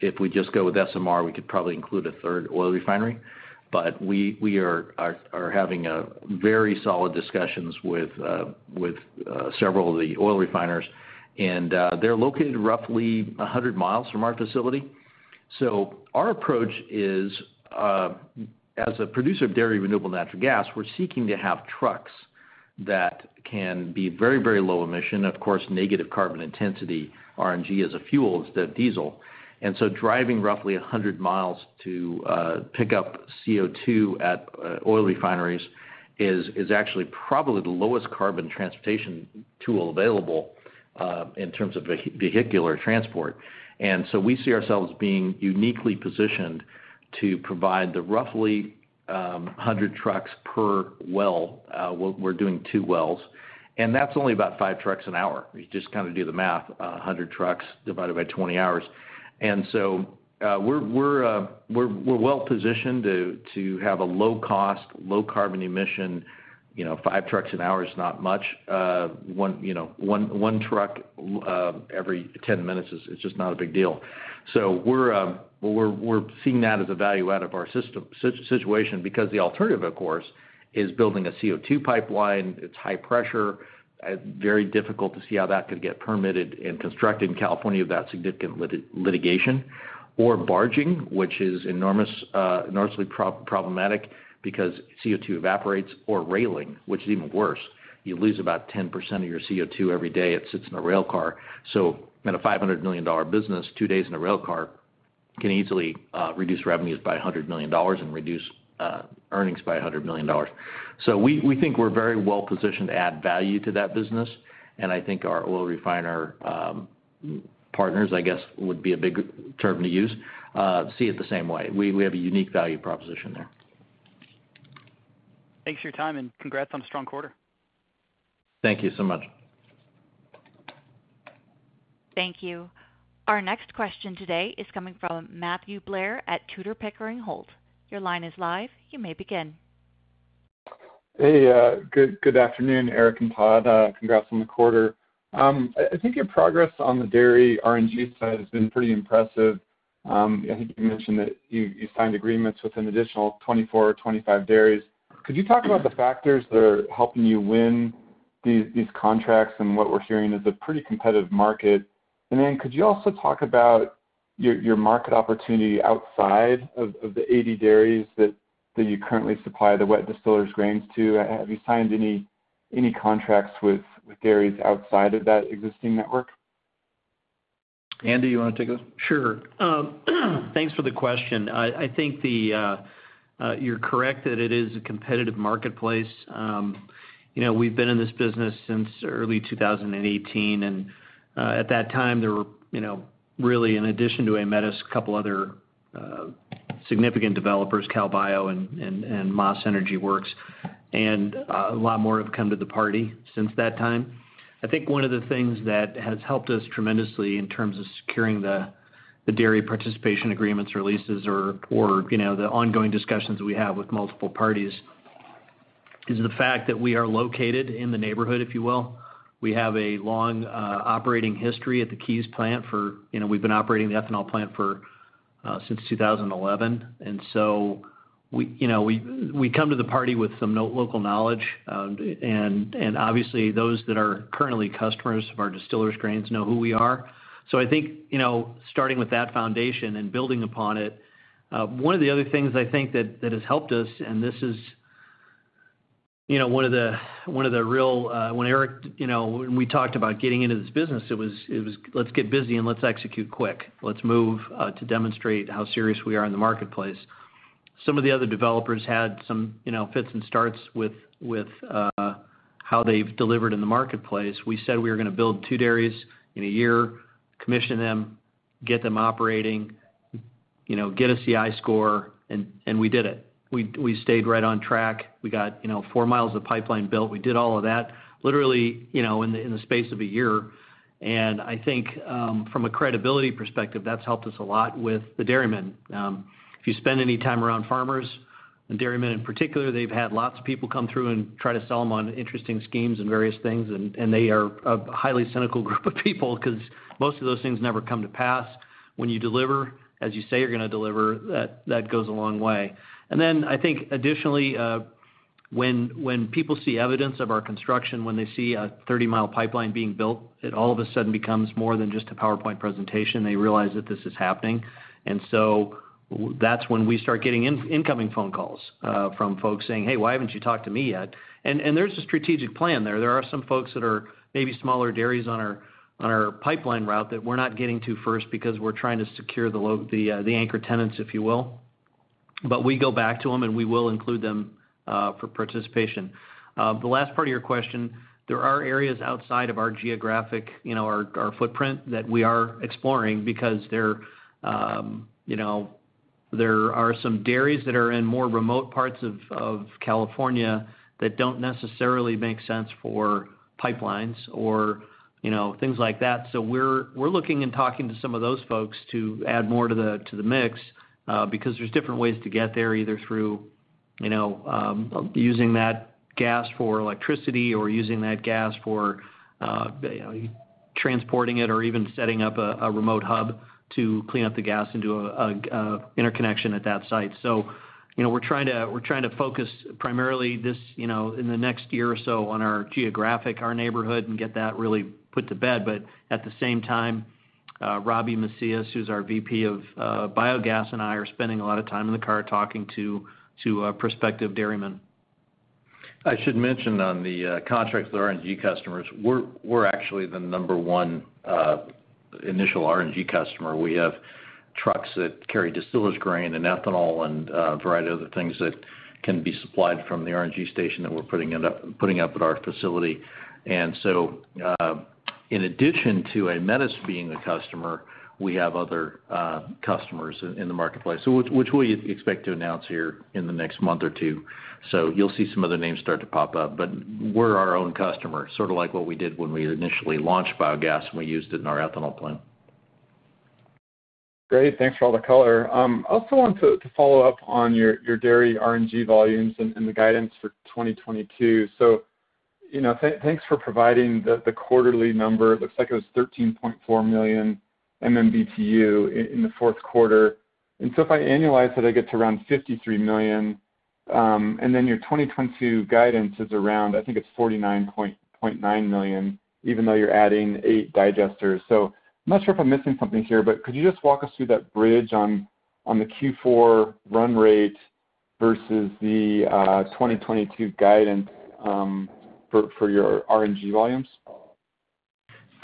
If we just go with SMR, we could probably include a third oil refinery. We are having very solid discussions with several of the oil refiners. They're located roughly 100 miles from our facility. Our approach is, as a producer of dairy renewable natural gas, we're seeking to have trucks that can be very, very low emission, of course, negative carbon intensity RNG as a fuel instead of diesel. Driving roughly 100 miles to pick up CO2 at oil refineries is actually probably the lowest carbon transportation tool available in terms of vehicular transport. We see ourselves being uniquely positioned to provide the roughly 100 trucks per well, we're doing two wells, and that's only about five trucks an hour. You just kinda do the math, 100 trucks divided by 20 hours. We're well positioned to have a low cost, low carbon emission, you know, five trucks an hour is not much. You know, one truck every 10 minutes is just not a big deal. We're seeing that as a value out of our system situation because the alternative, of course, is building a CO2 pipeline. It's high pressure, very difficult to see how that could get permitted and constructed in California with that significant litigation or barging, which is enormously problematic because CO2 evaporates, or railing, which is even worse. You lose about 10% of your CO2 every day it sits in a rail car. In a $500 million business, two days in a rail car can easily reduce revenues by $100 million and reduce earnings by $100 million. We think we're very well positioned to add value to that business. I think our oil refiner, partners, I guess would be a big term to use, see it the same way. We have a unique value proposition there. Thanks for your time and congrats on a strong quarter. Thank you so much. Thank you. Our next question today is coming from Matthew Blair at Tudor, Pickering, Holt. Your line is live. You may begin. Hey, good afternoon, Eric and Todd. Congrats on the quarter. I think your progress on the dairy RNG side has been pretty impressive. I think you mentioned that you signed agreements with an additional 24 or 25 dairies. Could you talk about the factors that are helping you win these contracts in what we're hearing is a pretty competitive market? Could you also talk about your market opportunity outside of the 80 dairies that you currently supply the wet distillers' grains to? Have you signed any contracts with dairies outside of that existing network? Andy, you wanna take this? Sure. Thanks for the question. I think you're correct that it is a competitive marketplace. You know, we've been in this business since early 2018, and at that time, there were, you know, really in addition to Aemetis, a couple other significant developers, CalBio and Maas Energy Works, and a lot more have come to the party since that time. I think one of the things that has helped us tremendously in terms of securing the dairy participation agreements or leases or, you know, the ongoing discussions we have with multiple parties is the fact that we are located in the neighborhood, if you will. We have a long operating history at the Keyes plant for, you know, we've been operating the ethanol plant for since 2011. We come to the party with some local knowledge. Obviously, those that are currently customers of our distillers' grains know who we are. I think starting with that foundation and building upon it, one of the other things I think that has helped us, and this is one of the real when Eric, when we talked about getting into this business, it was, "Let's get busy and let's execute quick. Let's move to demonstrate how serious we are in the marketplace." Some of the other developers had some fits and starts with how they've delivered in the marketplace. We said we were gonna build two dairies in a year, commission them, get them operating, you know, get a CI score, and we did it. We stayed right on track. We got, you know, four miles of pipeline built. We did all of that literally, you know, in the space of a year. I think, from a credibility perspective, that's helped us a lot with the dairymen. If you spend any time around farmers and dairymen in particular, they've had lots of people come through and try to sell them on interesting schemes and various things, and they are a highly cynical group of people because most of those things never come to pass. When you deliver, as you say you're gonna deliver, that goes a long way. I think additionally, when people see evidence of our construction, when they see a 30-mile pipeline being built, it all of a sudden becomes more than just a PowerPoint presentation. They realize that this is happening. That's when we start getting incoming phone calls from folks saying, "Hey, why haven't you talked to me yet?" There's a strategic plan there. There are some folks that are maybe smaller dairies on our pipeline route that we're not getting to first because we're trying to secure the anchor tenants, if you will. We go back to them, and we will include them for participation. The last part of your question, there are areas outside of our geographic, you know, our footprint that we are exploring because there, you know, there are some dairies that are in more remote parts of California that don't necessarily make sense for pipelines or, you know, things like that. We're looking and talking to some of those folks to add more to the mix because there's different ways to get there, either through, you know, using that gas for electricity or using that gas for, you know, transporting it or even setting up a interconnection at that site. You know, we're trying to focus primarily this, you know, in the next year or so on our geographic, our neighborhood, and get that really put to bed. At the same time, Robbie Macias, who's our VP of biogas, and I are spending a lot of time in the car talking to prospective dairymen. I should mention on the contracts with our RNG customers, we're actually the number one initial RNG customer. We have trucks that carry distillers grain and ethanol and a variety of other things that can be supplied from the RNG station that we're putting up at our facility. In addition to Aemetis being a customer, we have other customers in the marketplace which we expect to announce here in the next month or two. You'll see some of the names start to pop up. We're our own customer, sort of like what we did when we initially launched biogas, and we used it in our ethanol plant. Great. Thanks for all the color. I also want to follow up on your dairy RNG volumes and the guidance for 2022. You know, thanks for providing the quarterly number. It looks like it was 13.4 million MMBtu in the fourth quarter. If I annualize that, I get to around 53 million, and then your 2022 guidance is around. I think it's 49.9 million, even though you're adding 8 digesters. I'm not sure if I'm missing something here, but could you just walk us through that bridge on the Q4 run rate versus the 2022 guidance for your RNG volumes?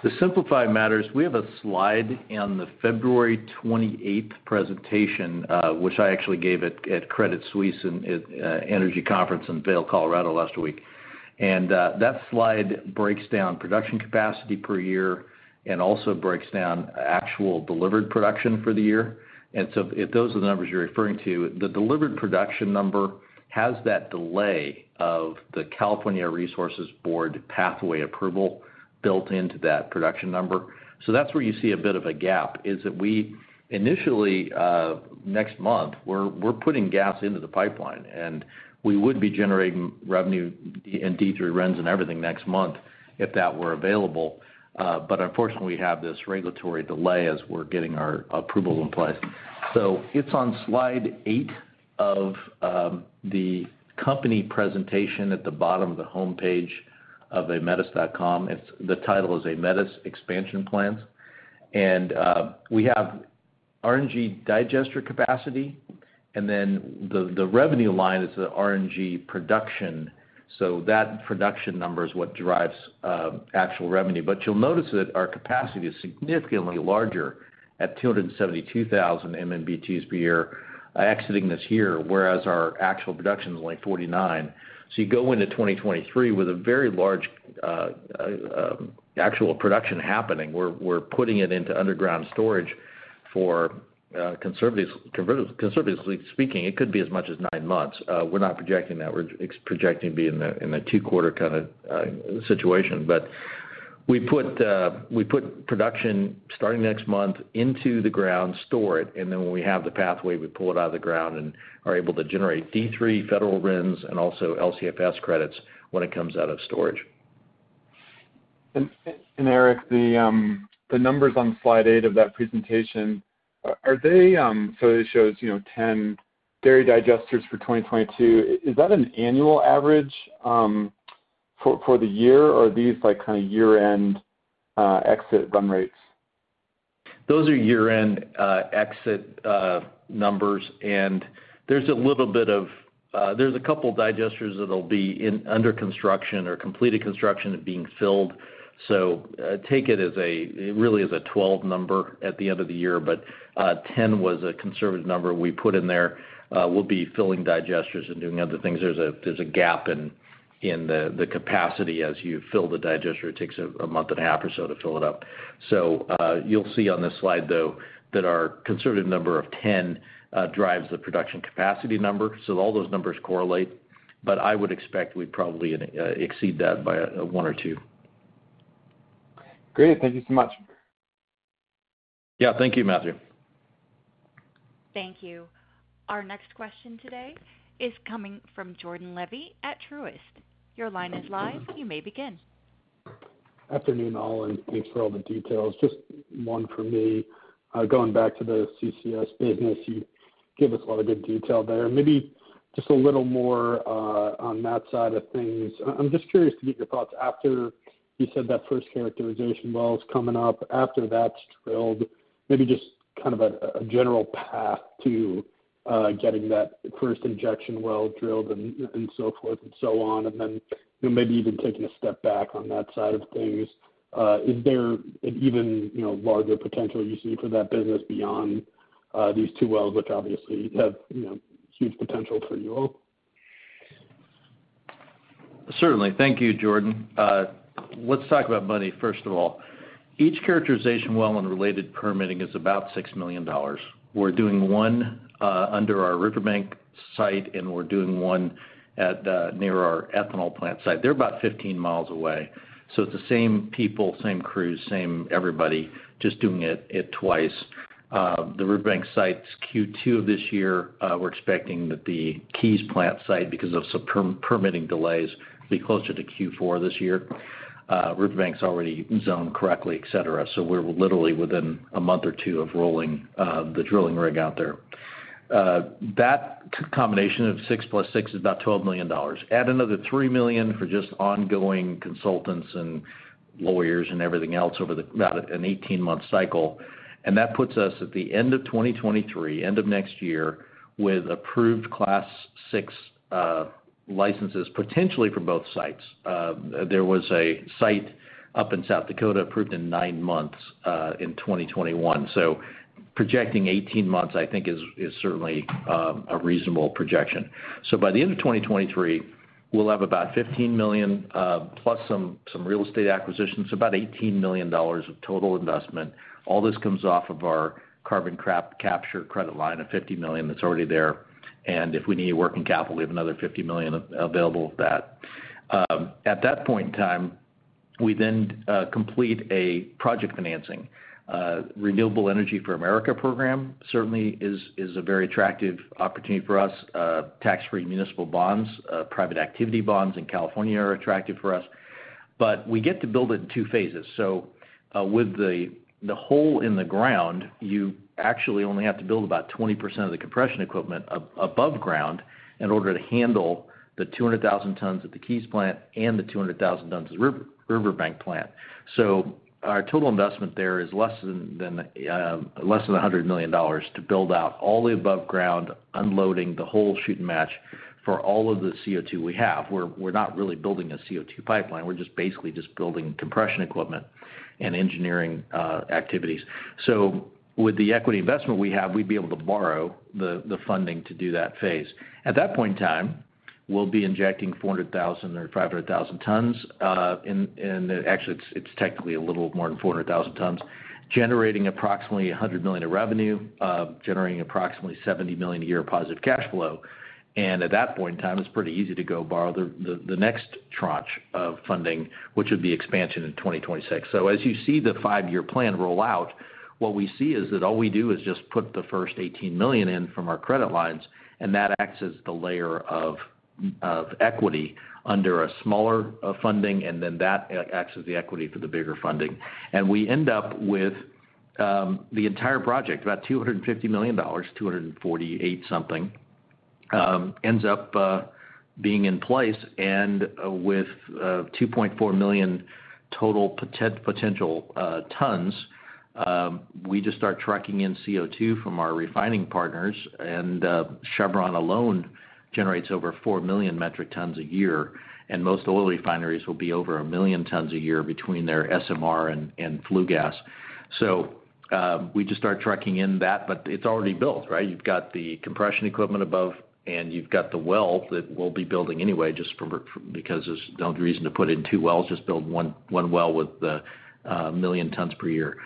To simplify matters, we have a slide on the February twenty-eighth presentation, which I actually gave at Credit Suisse Vail Energy Conference in Vail, Colorado last week. That slide breaks down production capacity per year and also breaks down actual delivered production for the year. If those are the numbers you're referring to, the delivered production number has that delay of the California Air Resources Board pathway approval built into that production number. That's where you see a bit of a gap, is that we initially next month, we're putting gas into the pipeline, and we would be generating revenue and D3 RINs and everything next month if that were available. But unfortunately, we have this regulatory delay as we're getting our approval in place. It's on slide eight of the company presentation at the bottom of the homepage of aemetis.com. It's the title is Aemetis Expansion Plans. We have RNG digester capacity, and then the revenue line is the RNG production. That production number is what drives actual revenue. You'll notice that our capacity is significantly larger at 272,000 MMBtu per year exiting this year, whereas our actual production is only 49. You go into 2023 with a very large actual production happening. We're putting it into underground storage for conservatively speaking, it could be as much as nine months. We're not projecting that. We're projecting being in a two-quarter kinda situation. We put production starting next month into the ground, store it, and then when we have the pathway, we pull it out of the ground and are able to generate D3 federal RINs and also LCFS credits when it comes out of storage. Eric, the numbers on slide 8 of that presentation, are they so it shows, you know, 10 dairy digesters for 2022. Is that an annual average for the year, or are these like kinda year-end exit run rates? Those are year-end exit numbers, and there's a couple digesters that'll be under construction or completed construction and being filled. Take it as, really, as a 12 number at the end of the year. 10 was a conservative number we put in there. We'll be filling digesters and doing other things. There's a gap in the capacity as you fill the digester. It takes a month and a half or so to fill it up. You'll see on this slide, though, that our conservative number of 10 drives the production capacity number. All those numbers correlate, but I would expect we'd probably exceed that by one or two. Great. Thank you so much. Yeah. Thank you, Matthew. Thank you. Our next question today is coming from Jordan Levy at Truist. Your line is live. You may begin. Afternoon, all, and thanks for all the details. Just one from me. Going back to the CCS business, you gave us a lot of good detail there. Maybe just a little more on that side of things. I'm just curious to get your thoughts after you said that first characterization well's coming up. After that's drilled, maybe just kind of a general path to getting that first injection well drilled and so forth and so on. You know, maybe even taking a step back on that side of things, is there an even larger potential you see for that business beyond these two wells, which obviously have huge potential for you all? Certainly. Thank you, Jordan. Let's talk about money first of all. Each characterization well and related permitting is about $6 million. We're doing one under our Riverbank site, and we're doing one at near our ethanol plant site. They're about 15 miles away, so it's the same people, same crews, same everybody, just doing it twice. The Riverbank site's Q2 of this year. We're expecting that the Keyes plant site, because of some permitting delays, be closer to Q4 this year. Riverbank's already zoned correctly, et cetera, so we're literally within a month or two of rolling the drilling rig out there. That combination of six + six is about $12 million. Add another $3 million for just ongoing consultants and lawyers and everything else over about an 18-month cycle, and that puts us at the end of 2023, end of next year, with approved Class VI licenses potentially from both sites. There was a site up in South Dakota approved in 9 months in 2021, so projecting 18 months, I think is certainly a reasonable projection. By the end of 2023, we'll have about $15 million plus some real estate acquisitions, about $18 million of total investment. All this comes off of our carbon capture credit line of $50 million that's already there. If we need working capital, we have another $50 million available of that. At that point in time, we then complete a project financing. Renewable Energy for America Program certainly is a very attractive opportunity for us. Tax-free municipal bonds, private activity bonds in California are attractive for us. We get to build it in two phases. With the hole in the ground, you actually only have to build about 20% of the compression equipment above ground in order to handle the 200,000 tons at the Keyes plant and the 200,000 tons at Riverbank plant. Our total investment there is less than $100 million to build out all the above ground, unloading the whole shooting match for all of the CO2 we have. We're not really building a CO2 pipeline. We're just basically building compression equipment and engineering activities. With the equity investment we have, we'd be able to borrow the funding to do that phase. At that point in time, we'll be injecting 400,000 or 500,000 tons, and actually it's technically a little more than 400,000 tons, generating approximately $100 million of revenue, generating approximately $70 million a year positive cash flow. At that point in time, it's pretty easy to go borrow the next tranche of funding, which would be expansion in 2026. As you see the five-year plan roll out, what we see is that all we do is just put the first $18 million in from our credit lines, and that acts as the layer of equity under a smaller funding, and then that acts as the equity for the bigger funding. We end up with the entire project, about $250 million, $248 something, ends up being in place and with 2.4 million total potential tons. We just start trucking in CO2 from our refining partners, and Chevron alone generates over 4 million metric tons a year, and most oil refineries will be over 1 million tons a year between their SMR and flue gas. We just start trucking in that, but it's already built, right? You've got the compression equipment above, and you've got the well that we'll be building anyway just for, because there's no reason to put in two wells, just build one well with the 1 million tons per year.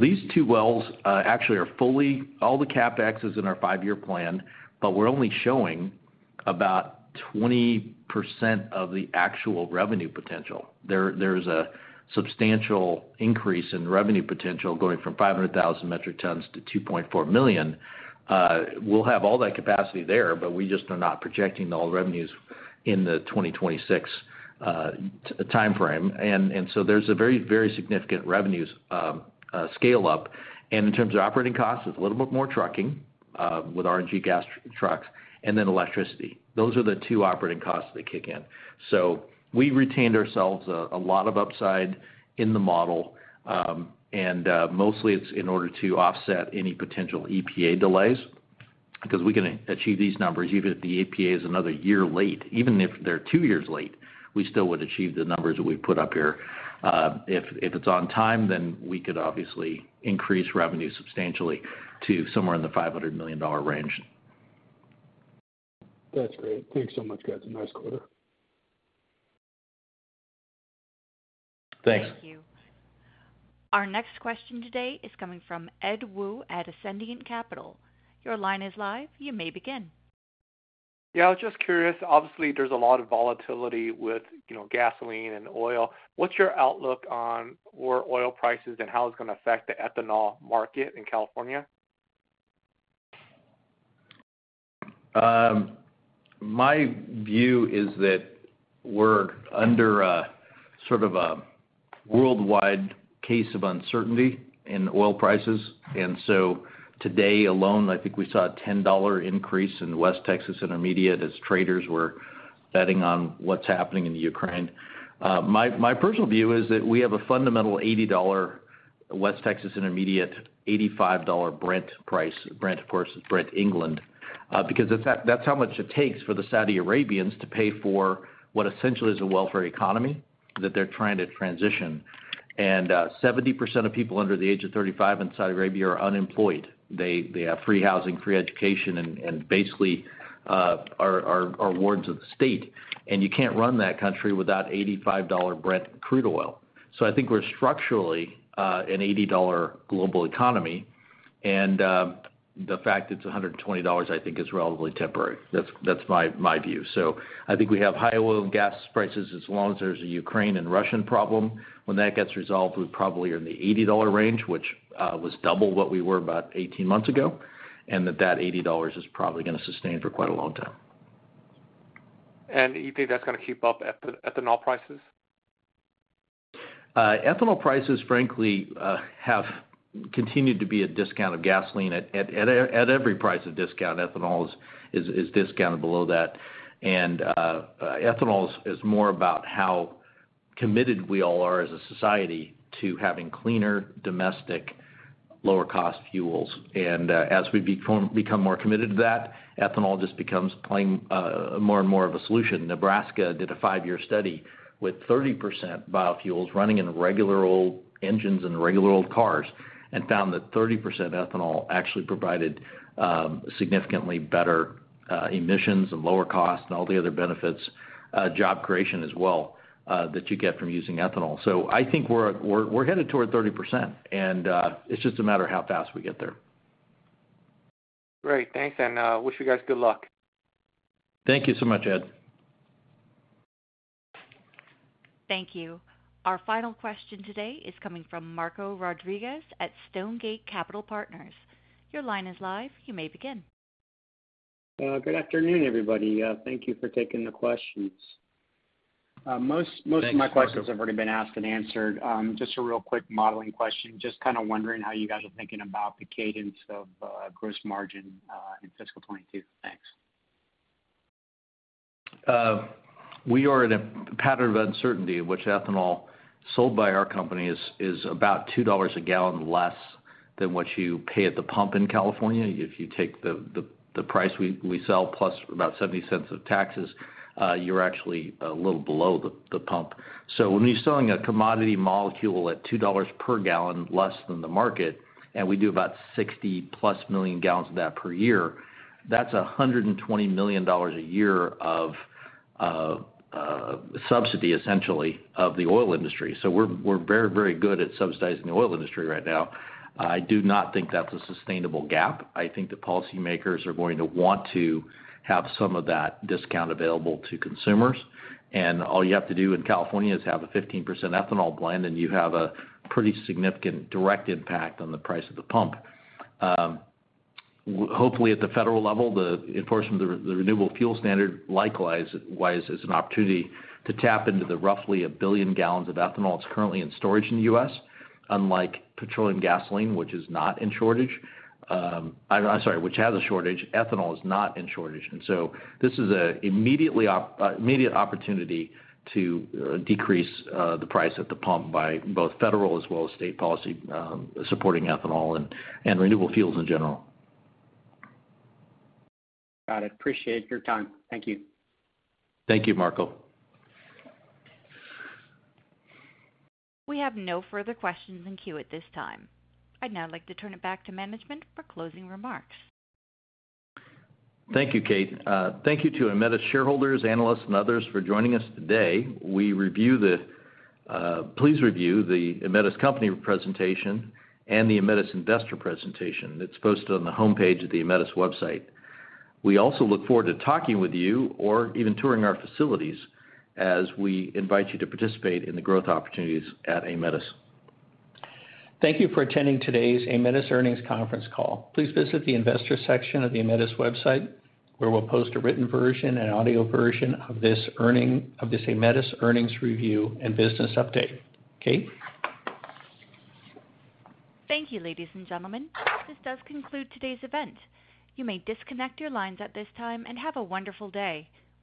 These two wells, all the CapEx is in our five-year plan, but we're only showing about 20% of the actual revenue potential. There's a substantial increase in revenue potential going from 500,000 metric tons to 2.4 million. We'll have all that capacity there, but we just are not projecting all the revenues in the 2026 timeframe. There's a very significant revenues scale up. In terms of operating costs, it's a little bit more trucking with RNG gas trucks and then electricity. Those are the two operating costs that kick in. We retained ourselves a lot of upside in the model, mostly it's in order to offset any potential EPA delays 'cause we can achieve these numbers even if the EPA is another year late. Even if they're two years late, we still would achieve the numbers that we put up here. If it's on time, we could obviously increase revenue substantially to somewhere in the $500 million range. That's great. Thanks so much, guys. Nice quarter. Thanks. Thank you. Our next question today is coming from Ed Woo at Ascendiant Capital Markets. Your line is live. You may begin. Yeah, I was just curious. Obviously, there's a lot of volatility with, you know, gasoline and oil. What's your outlook on where oil prices and how it's gonna affect the ethanol market in California? My view is that we're under a sort of a worldwide case of uncertainty in oil prices. Today alone, I think we saw a $10 increase in West Texas Intermediate as traders were betting on what's happening in the Ukraine. My personal view is that we have a fundamental $80 West Texas Intermediate, $85 Brent price. Brent, of course, is Brent, England. Because that's how much it takes for the Saudi Arabians to pay for what essentially is a welfare economy that they're trying to transition. 70% of people under the age of 35 in Saudi Arabia are unemployed. They have free housing, free education, and basically are wards of the state. You can't run that country without $85 Brent crude oil. I think we're structurally an $80 global economy. The fact it's $120, I think, is relatively temporary. That's my view. I think we have high oil and gas prices as long as there's a Ukraine and Russian problem. When that gets resolved, we probably are in the $80 range, which was double what we were about 18 months ago, and that $80 is probably gonna sustain for quite a long time. You think that's gonna keep up ethanol prices? Ethanol prices frankly have continued to be a discount to gasoline at every price. Ethanol is discounted below that. Ethanol is more about how committed we all are as a society to having cleaner domestic lower cost fuels. As we become more committed to that, ethanol just becomes more and more of a solution. Nebraska did a five-year study with 30% biofuels running in regular old engines and regular old cars, and found that 30% ethanol actually provided significantly better emissions and lower costs and all the other benefits, job creation as well, that you get from using ethanol. I think we're headed toward 30%, and it's just a matter of how fast we get there. Great. Thanks, and wish you guys good luck. Thank you so much, Ed. Thank you. Our final question today is coming from Marco Rodriguez at Stonegate Capital Partners. Your line is live. You may begin. Good afternoon, everybody. Thank you for taking the questions. Most- Thanks, Marco. Most of my questions have already been asked and answered. Just a real quick modeling question. Just kinda wondering how you guys are thinking about the cadence of gross margin in fiscal 2022. Thanks. We are in a pattern of uncertainty in which ethanol sold by our company is about $2 a gallon less than what you pay at the pump in California. If you take the price we sell plus about $0.70 of taxes, you're actually a little below the pump. When you're selling a commodity molecule at $2 per gallon less than the market, and we do about 60+ million gallons of that per year, that's $120 million a year of subsidy, essentially, of the oil industry. We're very good at subsidizing the oil industry right now. I do not think that's a sustainable gap. I think the policymakers are going to want to have some of that discount available to consumers. All you have to do in California is have a 15% ethanol blend, and you have a pretty significant direct impact on the price at the pump. Hopefully at the federal level, the enforcement, the Renewable Fuel Standard likewise is an opportunity to tap into the roughly 1 billion gallons of ethanol that's currently in storage in the U.S., unlike petroleum gasoline, which has a shortage. Ethanol is not in shortage. This is an immediate opportunity to decrease the price at the pump by both federal as well as state policy supporting ethanol and renewable fuels in general. Got it. Appreciate your time. Thank you. Thank you, Marco. We have no further questions in queue at this time. I'd now like to turn it back to management for closing remarks. Thank you, Kate. Thank you to Aemetis shareholders, analysts, and others for joining us today. Please review the Aemetis company presentation and the Aemetis investor presentation that's posted on the homepage of the Aemetis website. We also look forward to talking with you or even touring our facilities as we invite you to participate in the growth opportunities at Aemetis. Thank you for attending today's Aemetis earnings conference call. Please visit the investor section of the Aemetis website, where we'll post a written version and audio version of this Aemetis earnings review and business update. Kate? Thank you, ladies and gentlemen. This does conclude today's event. You may disconnect your lines at this time, and have a wonderful day.